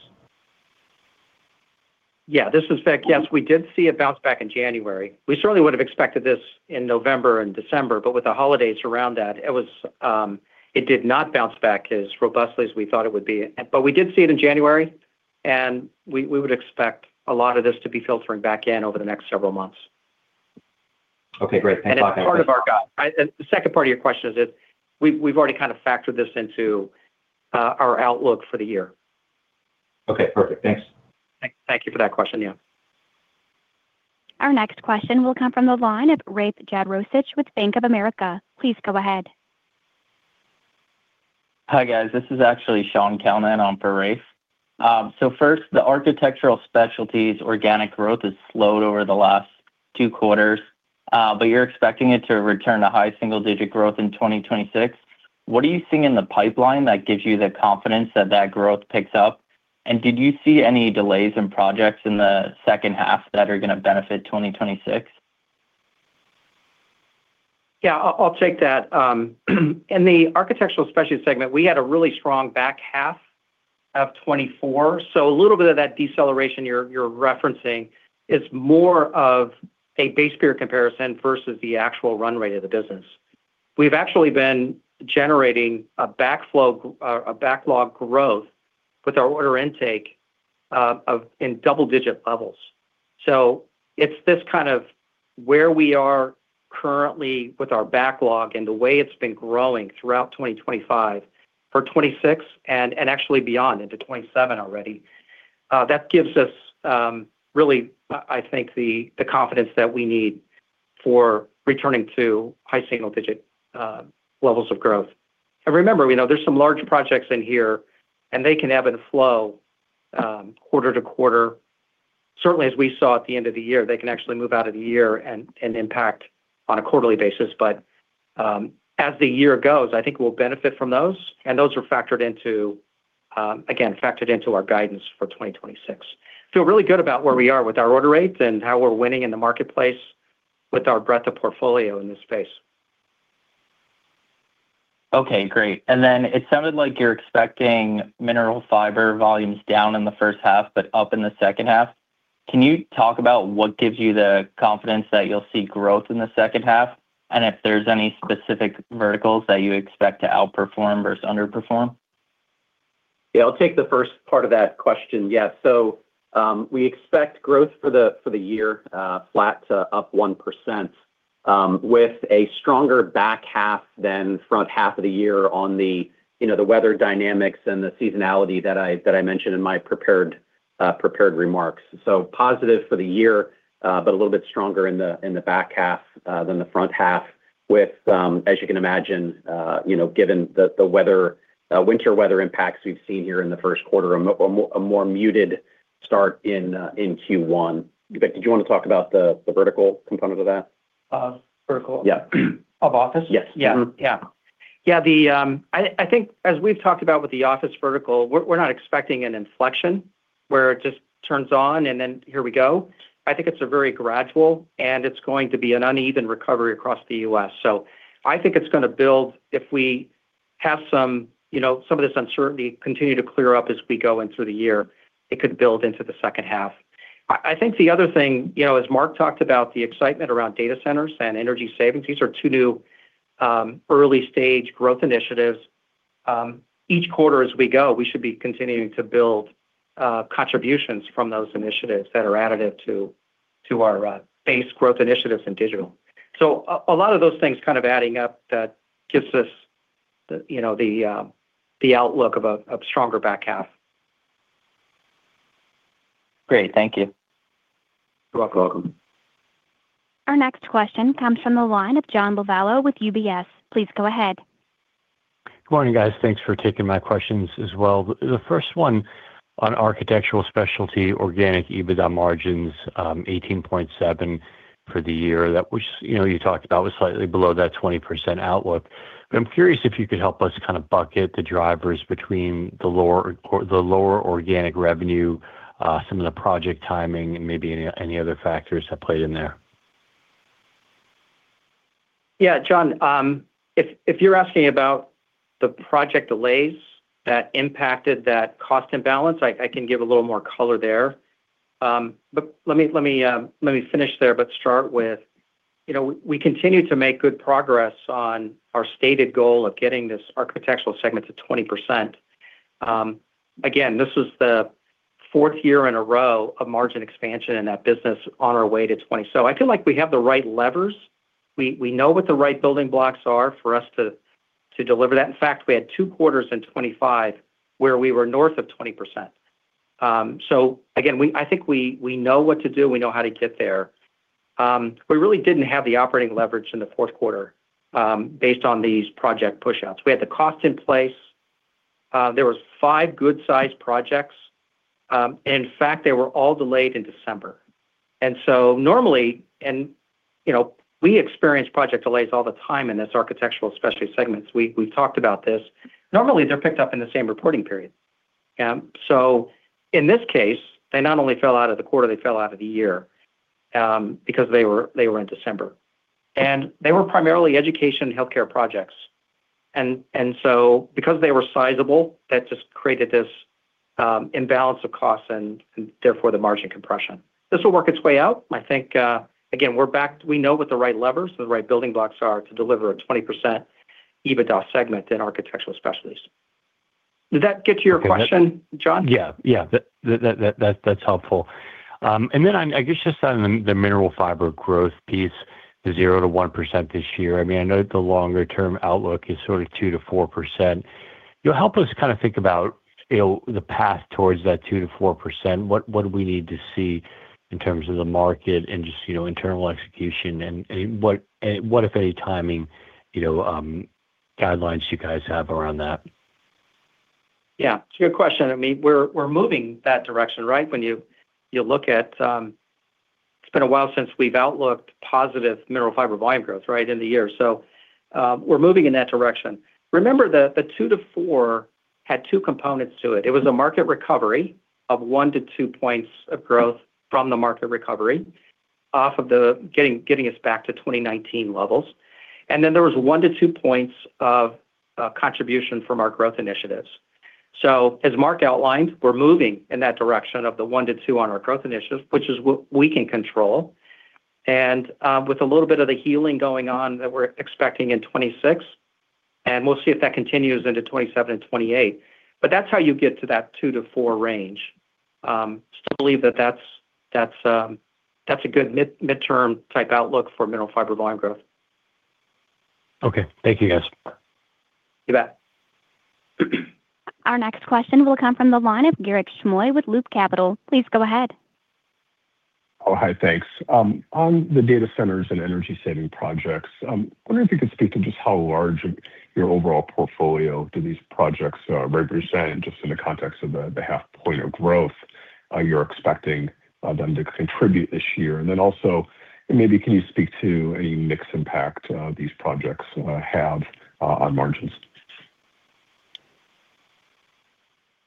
Yeah, this is Vic. Yes, we did see a bounce back in January. We certainly would have expected this in November and December, but with the holidays around that, it did not bounce back as robustly as we thought it would be. We did see it in January, and we would expect a lot of this to be filtering back in over the next several months. Okay, great. The second part of your question is, we've already kind of factored this into our outlook for the year. Okay, perfect. Thanks. Thank you for that question. Yeah. Our next question will come from the line of Rafe Jadrosich with Bank of America. Please go ahead. Hi, guys. This is actually Sean Kelleher on for Rafe Jadrosich. First, the architectural specialties organic growth has slowed over the last two quarters, but you're expecting it to return to high single-digit growth in 2026. What are you seeing in the pipeline that gives you the confidence that that growth picks up? Did you see any delays in projects in the second half that are gonna benefit 2026? Yeah, I'll take that. In the architectural specialist segment, we had a really strong back half of 2024, a little bit of that deceleration you're referencing is more of a base year comparison versus the actual run rate of the business. We've actually been generating a backlog growth with our order intake in double-digit levels. It's this kind of where we are currently with our backlog and the way it's been growing throughout 2025, for 2026 and actually beyond into 2027 already, that gives us really, I think, the confidence that we need for returning to high single digit levels of growth. Remember, you know, there's some large projects in here, and they can ebb and flow quarter to quarter. Certainly, as we saw at the end of the year, they can actually move out of the year and impact on a quarterly basis. As the year goes, I think we'll benefit from those, and those are factored into, again, factored into our guidance for 2026. Feel really good about where we are with our order rates and how we're winning in the marketplace with our breadth of portfolio in this space. Okay, great. It sounded like you're expecting mineral fiber volumes down in the first half, but up in the second half. Can you talk about what gives you the confidence that you'll see growth in the second half, and if there's any specific verticals that you expect to outperform versus underperform? I'll take the first part of that question. Yeah. We expect growth for the year flat to up 1% with a stronger back half than front half of the year on the, you know, the weather dynamics and the seasonality that I mentioned in my prepared remarks. Positive for the year, but a little bit stronger in the back half than the front half, with, as you can imagine, you know, given the weather, winter weather impacts we've seen here in the first quarter, a more muted start in Q1. Vic, did you wanna talk about the vertical component of that? Vertical? Yeah. Of office? Yes. Yeah Yeah. Yeah, the, I think as we've talked about with the office vertical, we're not expecting an inflection where it just turns on, and then here we go. I think it's a very gradual, and it's going to be an uneven recovery across the U.S. I think it's gonna build if we have some, you know, some of this uncertainty continue to clear up as we go into the year, it could build into the second half. I think the other thing, you know, as Mark talked about the excitement around data centers and energy savings, these are two new, early-stage growth initiatives. Each quarter as we go, we should be continuing to build, contributions from those initiatives that are additive to our base growth initiatives in digital. A lot of those things kind of adding up that gives us, you know, the outlook of a stronger back half. Great. Thank you. You're welcome. Our next question comes from the line of John Lovallo with UBS. Please go ahead. Good morning, guys. Thanks for taking my questions as well. The first one on architectural specialty, organic EBITDA margins, 18.7 for the year. That was, you know, you talked about was slightly below that 20% outlook. I'm curious if you could help us kinda bucket the drivers between the lower organic revenue, some of the project timing, and maybe any other factors have played in there? Yeah, John, if you're asking about the project delays that impacted that cost imbalance, I can give a little more color there. Let me finish there, but start with, you know, we continue to make good progress on our stated goal of getting this architectural segment to 20%. Again, this is the fourth year in a row of margin expansion in that business on our way to 20. I feel like we have the right levers. We know what the right building blocks are for us to deliver that. In fact, we had two quarters in 25 where we were north of 20%. Again, I think we know what to do, we know how to get there. We really didn't have the operating leverage in the fourth quarter based on these project pushouts. We had the cost in place. There was five good-sized projects. In fact, they were all delayed in December. Normally, you know, we experience project delays all the time in this architectural specialty segments. We talked about this. Normally, they're picked up in the same reporting period. In this case, they not only fell out of the quarter, they fell out of the year because they were in December. They were primarily education and healthcare projects. Because they were sizable, that just created this imbalance of costs and therefore, the margin compression. This will work its way out. I think, again, we know what the right levers, the right building blocks are to deliver a 20% EBITDA segment in architectural specialties. Did that get to your question, John? Yeah. Yeah. That's helpful. I guess just on the mineral fiber growth piece, the 0%-1% this year. I mean, I know the longer-term outlook is sort of 2%-4%. You know, help us kind of think about, you know, the path towards that 2%-4%. What do we need to see in terms of the market and just, you know, internal execution, and what, if any, timing, you know, guidelines do you guys have around that? Yeah, it's a good question. I mean, we're moving that direction, right? When you look at, It's been a while since we've outlooked positive mineral fiber volume growth, right, in the year. We're moving in that direction. Remember that the two to four had two components to it. It was a market recovery of one to two points of growth from the market recovery, off of the getting us back to 2019 levels. There was one to two points of contribution from our growth initiatives. As Mark outlined, we're moving in that direction of the one to two on our growth initiatives, which is what we can control, and with a little bit of the healing going on that we're expecting in 2026, and we'll see if that continues into 2027 and 2028. That's how you get to that two to four range. Still believe that that's a good midterm type outlook for mineral fiber volume growth. Okay. Thank you, guys. You bet. Our next question will come from the line of Garik Shmois with Loop Capital. Please go ahead. Oh, hi, thanks. On the data centers and energy saving projects, wondering if you could speak to just how large your overall portfolio do these projects represent, just in the context of the half point of growth, you're expecting them to contribute this year? Also, maybe can you speak to any mix impact these projects have on margins?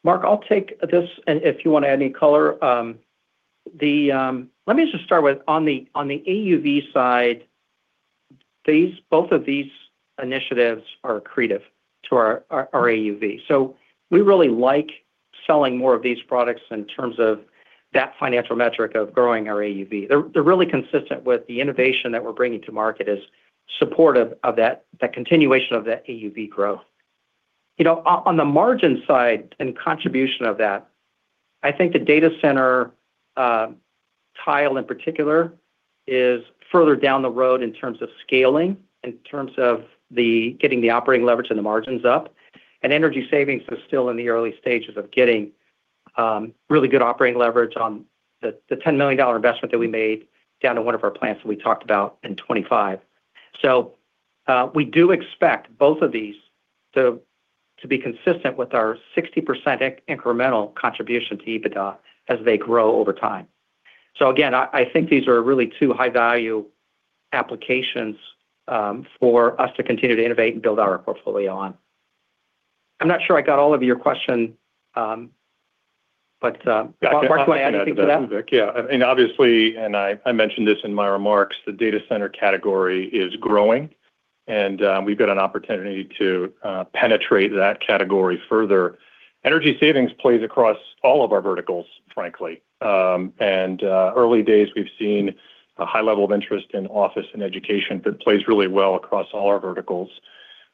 Mark, I'll take this, and if you want to add any color. Let me just start with on the, on the AUV side, both of these initiatives are accretive to our AUV. We really like selling more of these products in terms of that financial metric of growing our AUV. They're really consistent with the innovation that we're bringing to market as supportive of that continuation of that AUV growth. You know, on the margin side and contribution of that, I think the data center, tile in particular, is further down the road in terms of scaling, in terms of getting the operating leverage and the margins up. Energy savings is still in the early stages of getting really good operating leverage on the $10 million investment that we made down to one of our plants that we talked about in 2025. We do expect both of these to be consistent with our 60% incremental contribution to EBITDA as they grow over time. Again, I think these are really two high-value applications for us to continue to innovate and build our portfolio on. I'm not sure I got all of your question, but Mark, you want to add anything to that? Obviously, I mentioned this in my remarks, the data center category is growing, we've got an opportunity to penetrate that category further. Energy savings plays across all of our verticals, frankly. Early days, we've seen a high level of interest in office and education that plays really well across all our verticals.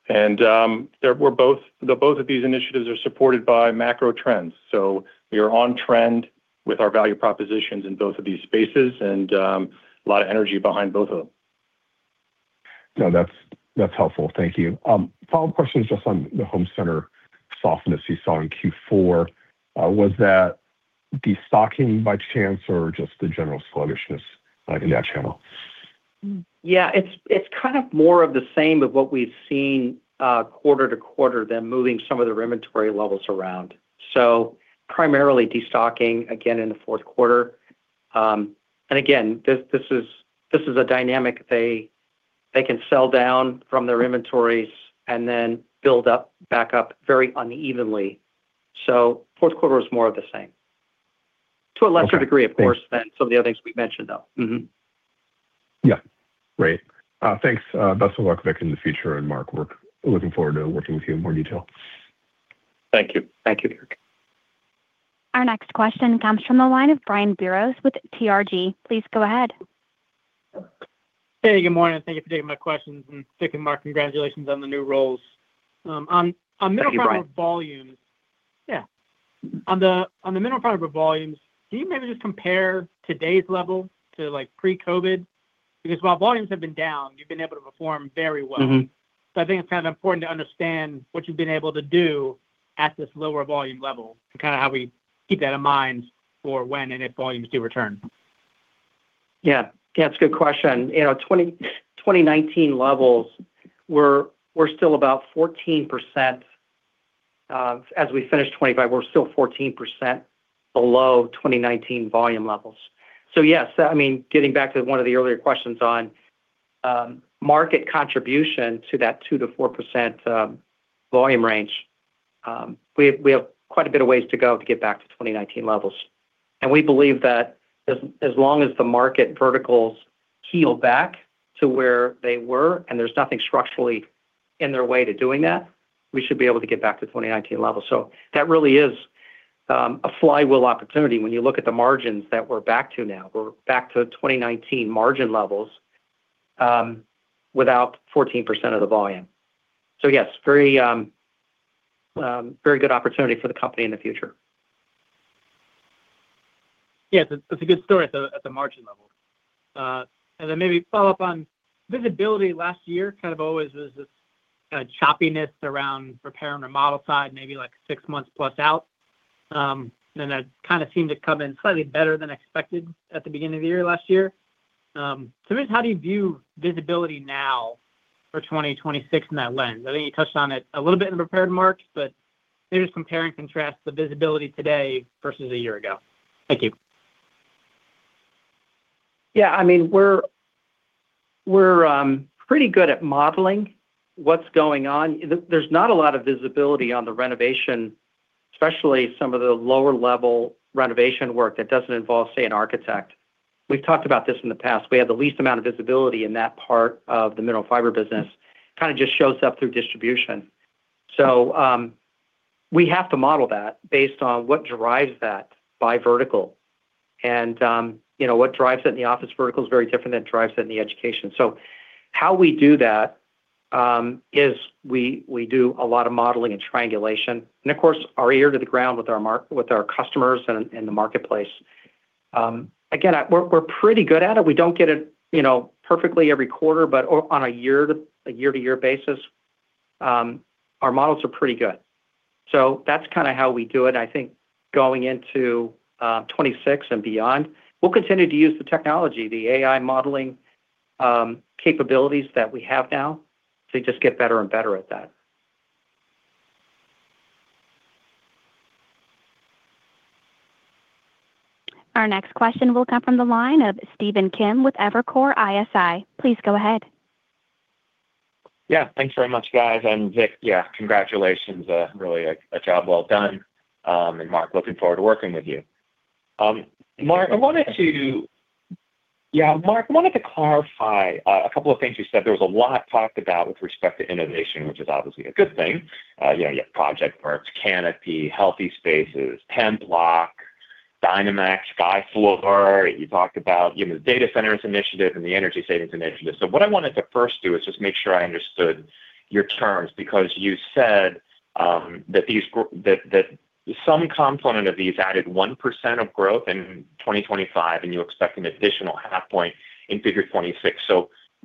Both of these initiatives are supported by macro trends. We are on trend with our value propositions in both of these spaces, a lot of energy behind both of them. No, that's helpful. Thank you. Follow-up question is just on the home center softness you saw in Q4. Was that destocking by chance or just the general sluggishness in that channel? Yeah, it's kind of more of the same of what we've seen, quarter to quarter, them moving some of their inventory levels around. Primarily destocking again in the fourth quarter. Again, this is a dynamic they can sell down from their inventories and then build back up very unevenly. Fourth quarter is more of the same. Okay. To a lesser degree, of course, than some of the other things we've mentioned, though. Yeah. Great. Thanks, best of luck, Vic, in the future, and Mark, we're looking forward to working with you in more detail. Thank you. Thank you, Eric. Our next question comes from the line of Brian Biros with TRG. Please go ahead. Hey, good morning. Thank you for taking my questions. Vic and Mark, congratulations on the new roles. Thank you, Brian. Yeah. On the mineral fiber volumes, can you maybe just compare today's level to, like, pre-COVID? Because while volumes have been down, you've been able to perform very well. I think it's kind of important to understand what you've been able to do at this lower volume level to kind of how we keep that in mind for when and if volumes do return. Yeah. Yeah, that's a good question. You know, 2019 levels. We're still about 14%, as we finish 2025, we're still 14% below 2019 volume levels. Yes, I mean, getting back to one of the earlier questions on market contribution to that 2%-4% volume range, we have quite a bit of ways to go to get back to 2019 levels. We believe that as long as the market verticals heal back to where they were, and there's nothing structurally in their way to doing that, we should be able to get back to 2019 levels. That really is a flywheel opportunity when you look at the margins that we're back to now. We're back to 2019 margin levels without 14% of the volume yes, very good opportunity for the company in the future. Yes, it's a good story at the, at the margin level. Maybe follow up on visibility last year, kind of always was this choppiness around repair and remodel side, maybe like six months plus out. And that kinda seemed to come in slightly better than expected at the beginning of the year, last year. How do you view visibility now for 2026 in that lens? I think you touched on it a little bit in the prepared marks, but just compare and contrast the visibility today versus a year ago. Thank you. Yeah, I mean, we're pretty good at modeling what's going on. There's not a lot of visibility on the renovation, especially some of the lower-level renovation work that doesn't involve, say, an architect. We've talked about this in the past. We have the least amount of visibility in that part of the mineral fiber business. Kinda just shows up through distribution. We have to model that based on what drives that by vertical. You know, what drives it in the office vertical is very different than drives it in the education. How we do that is we do a lot of modeling and triangulation, and of course, our ear to the ground with our customers and the marketplace. Again, we're pretty good at it. We don't get it, you know, perfectly every quarter, but on a year-to-year basis, our models are pretty good. That's kind of how we do it. I think going into 2026 and beyond, we'll continue to use the technology, the AI modeling capabilities that we have now to just get better and better at that. Our next question will come from the line of Stephen Kim with Evercore ISI. Please go ahead. Yeah, thanks very much, guys. Vic, congratulations. Really a job well done. Mark, looking forward to working with you. Mark, I wanted to clarify a couple of things you said. There was a lot talked about with respect to innovation, which is obviously a good thing. You know, you have ProjectWorks, Kanopi, Healthy Spaces, Penblock, DynaMax, Skyfloor. You talked about, you know, the data centers initiative and the energy savings initiative. What I wanted to first do is just make sure I understood your terms, because you said that some component of these added 1% of growth in 2025, and you expect an additional 0.5 point in 2026.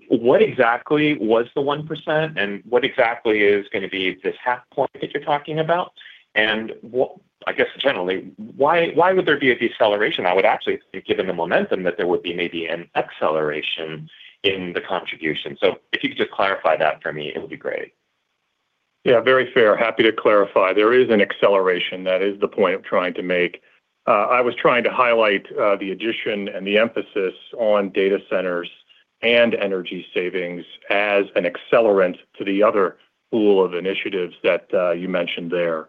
What exactly was the 1%, and what exactly is gonna be this half point that you're talking about? What I guess, generally, why would there be a deceleration? I would actually, given the momentum, that there would be maybe an acceleration in the contribution. If you could just clarify that for me, it would be great. Yeah, very fair. Happy to clarify. There is an acceleration. That is the point I'm trying to make. I was trying to highlight the addition and the emphasis on data centers and energy savings as an accelerant to the other pool of initiatives that you mentioned there.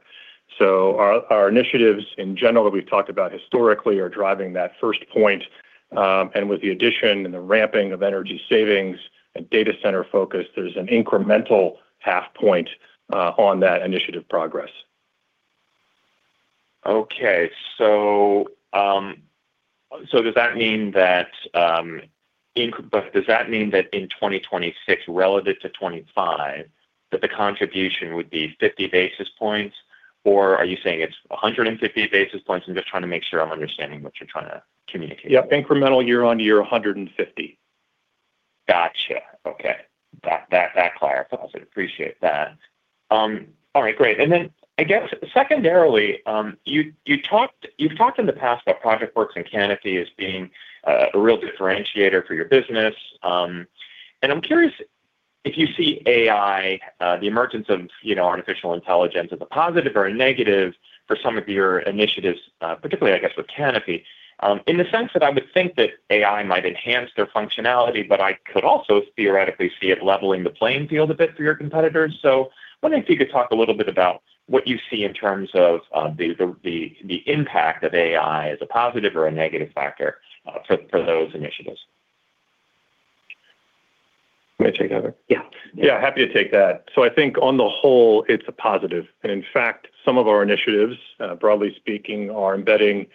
Our initiatives in general, we've talked about historically, are driving that first point, and with the addition and the ramping of energy savings and data center focus, there's an incremental half point on that initiative progress. Okay. Does that mean that in 2026 relative to 25, that the contribution would be 50 basis points, or are you saying it's 150 basis points? I'm just trying to make sure I'm understanding what you're trying to communicate. Yep, incremental year on year, $150. Gotcha. Okay. That clarifies it. Appreciate that. All right, great. I guess secondarily, you've talked in the past about ProjectWorks and Kanopi as being a real differentiator for your business. I'm curious if you see AI, the emergence of, you know, artificial intelligence as a positive or a negative for some of your initiatives, particularly, I guess, with Kanopi. In the sense that I would think that AI might enhance their functionality, but I could also theoretically see it leveling the playing field a bit for your competitors. Wondering if you could talk a little bit about what you see in terms of the impact of AI as a positive or a negative factor for those initiatives? May I take that? Yeah. Yeah, happy to take that. I think on the whole, it's a positive. In fact, some of our initiatives, broadly speaking, are embedding,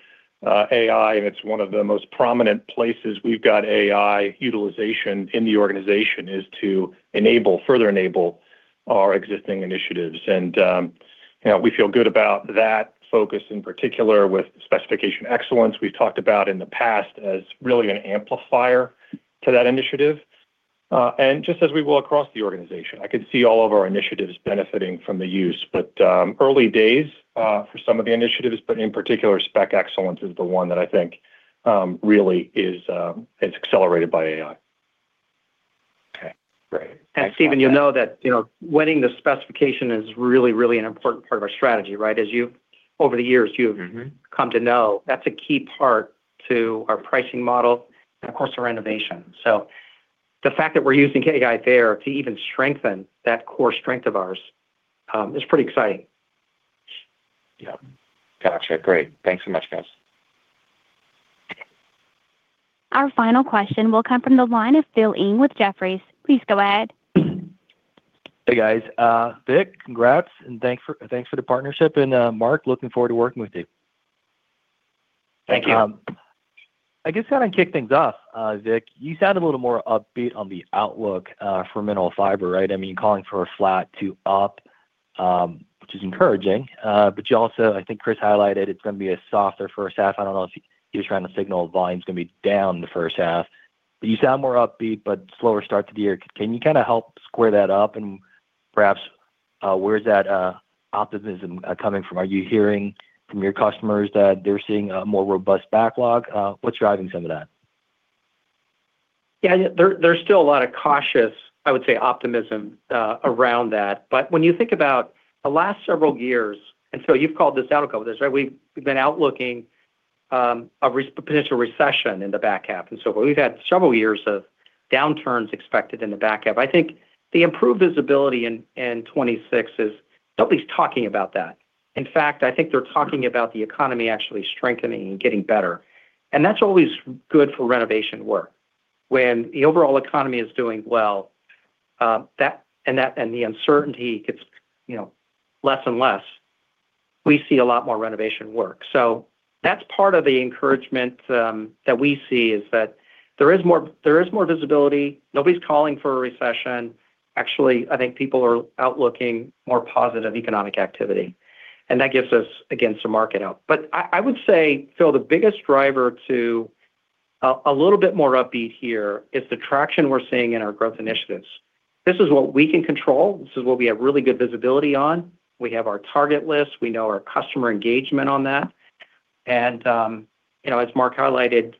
AI, and it's one of the most prominent places we've got AI utilization in the organization, is to enable, further enable our existing initiatives. You know, we feel good about that focus, in particular with specification excellence. We've talked about in the past as really an amplifier to that initiative. Just as we will across the organization, I could see all of our initiatives benefiting from the use. Early days, for some of the initiatives, but in particular, spec excellence is the one that I think, really is accelerated by AI. Okay, great. Stephen, you know that, you know, winning the specification is really, really an important part of our strategy, right? As you've, over the years come to know, that's a key part to our pricing model and, of course, our renovation. The fact that we're using AI there to even strengthen that core strength of ours, is pretty exciting. Yeah. Gotcha. Great. Thanks so much, guys. Our final question will come from the line of Philip Ng with Jefferies. Please go ahead. Hey, guys. Vic, congrats, and thanks for the partnership, and Mark, looking forward to working with you. Thank you. I guess to kind of kick things off, Vic, you sound a little more upbeat on the outlook for mineral fiber, right? I mean, calling for a flat to up, which is encouraging, but you also, I think Chris highlighted it's gonna be a softer first half. I don't know if he was trying to signal volume's gonna be down the first half. You sound more upbeat, but slower start to the year. Can you kinda help square that up, and perhaps, where's that optimism coming from? Are you hearing from your customers that they're seeing a more robust backlog? What's driving some of that? Yeah, there's still a lot of cautious, I would say, optimism around that. When you think about the last several years, you've called this out a couple of this, right? We've been outlooking a potential recession in the back half, we've had several years of downturns expected in the back half. I think the improved visibility in 2026 is. Nobody's talking about that. In fact, I think they're talking about the economy actually strengthening and getting better, and that's always good for renovation work. When the overall economy is doing well, that, and the uncertainty gets, you know, less and less, we see a lot more renovation work. That's part of the encouragement that we see, is that there is more, there is more visibility. Nobody's calling for a recession. Actually, I think people are outlooking more positive economic activity, and that gives us, again, some market out. I would say, Phil, the biggest driver to a little bit more upbeat here is the traction we're seeing in our growth initiatives. This is what we can control. This is what we have really good visibility on. We have our target list. We know our customer engagement on that. You know, as Mark highlighted,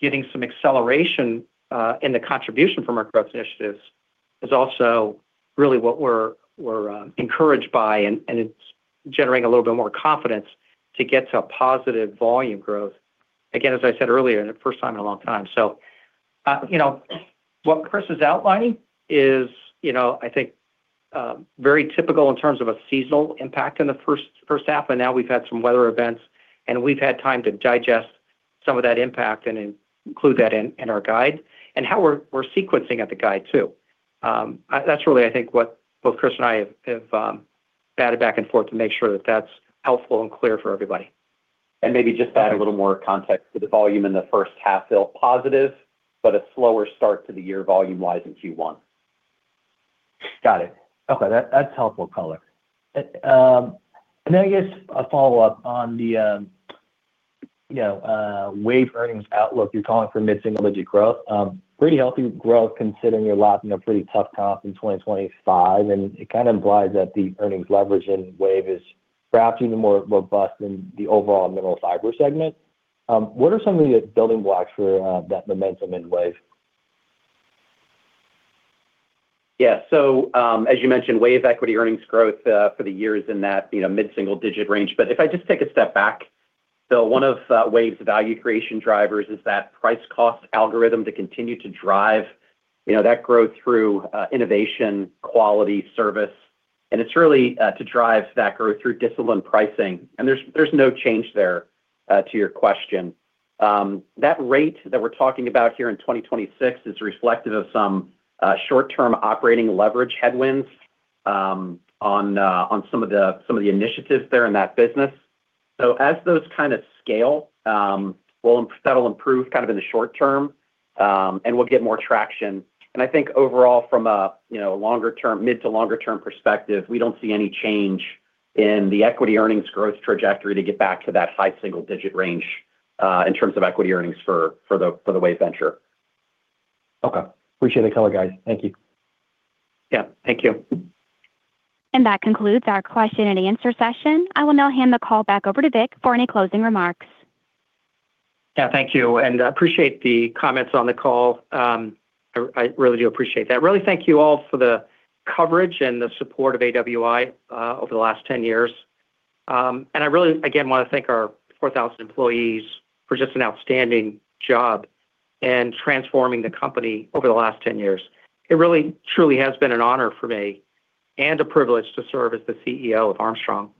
getting some acceleration in the contribution from our growth initiatives is also really what we're encouraged by, and it's generating a little bit more confidence to get to a positive volume growth. Again, as I said earlier, the first time in a long time. You know, what Chris is outlining is, you know, I think, very typical in terms of a seasonal impact in the first half, but now we've had some weather events, and we've had time to digest some of that impact and include that in our guide, and how we're sequencing at the guide, too. That's really, I think, what both Chris and I have batted back and forth to make sure that that's helpful and clear for everybody. Maybe just to add a little more context to the volume in the first half, Philip, positive, but a slower start to the year volume-wise in Q1. Got it. Okay, that's helpful color. I guess a follow-up on the, you know, WAVE earnings outlook. You're calling for mid-single-digit growth. Pretty healthy growth considering you're lapping a pretty tough comp in 2025, and it kinda implies that the earnings leverage in WAVE is perhaps even more robust than the overall Mineral Fiber segment. What are some of the building blocks for that momentum in WAVE? Yeah. As you mentioned, WAVE equity earnings growth for the years in that, you know, mid-single digit range. If I just take a step back, one of WAVE's value creation drivers is that price cost algorithm to continue to drive, you know, that growth through innovation, quality, service, it's really to drive that growth through disciplined pricing, there's no change there to your question. That rate that we're talking about here in 2026 is reflective of some short-term operating leverage headwinds on some of the initiatives there in that business. As those kind of scale, that'll improve kind of in the short term, we'll get more traction. I think overall from a, you know, longer term, mid to longer term perspective, we don't see any change in the equity earnings growth trajectory to get back to that high single digit range, in terms of equity earnings for the WAVE venture. Okay. Appreciate the color, guys. Thank you. Yeah, thank you. That concludes our question-and-answer session. I will now hand the call back over to Vic for any closing remarks. Yeah, thank you, and I appreciate the comments on the call. I really do appreciate that. Really thank you all for the coverage and the support of AWI over the last 10 years. And I really, again, want to thank our 4,000 employees for just an outstanding job in transforming the company over the last 10 years. It really truly has been an honor for me and a privilege to serve as the CEO of Armstrong.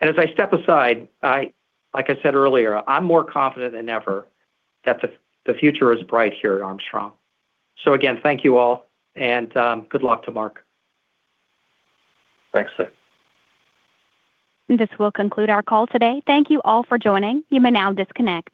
As I step aside, I, like I said earlier, I'm more confident than ever that the future is bright here at Armstrong. Again, thank you all, and good luck to Mark. Thanks, Vic. This will conclude our call today. Thank you all for joining. You may now disconnect.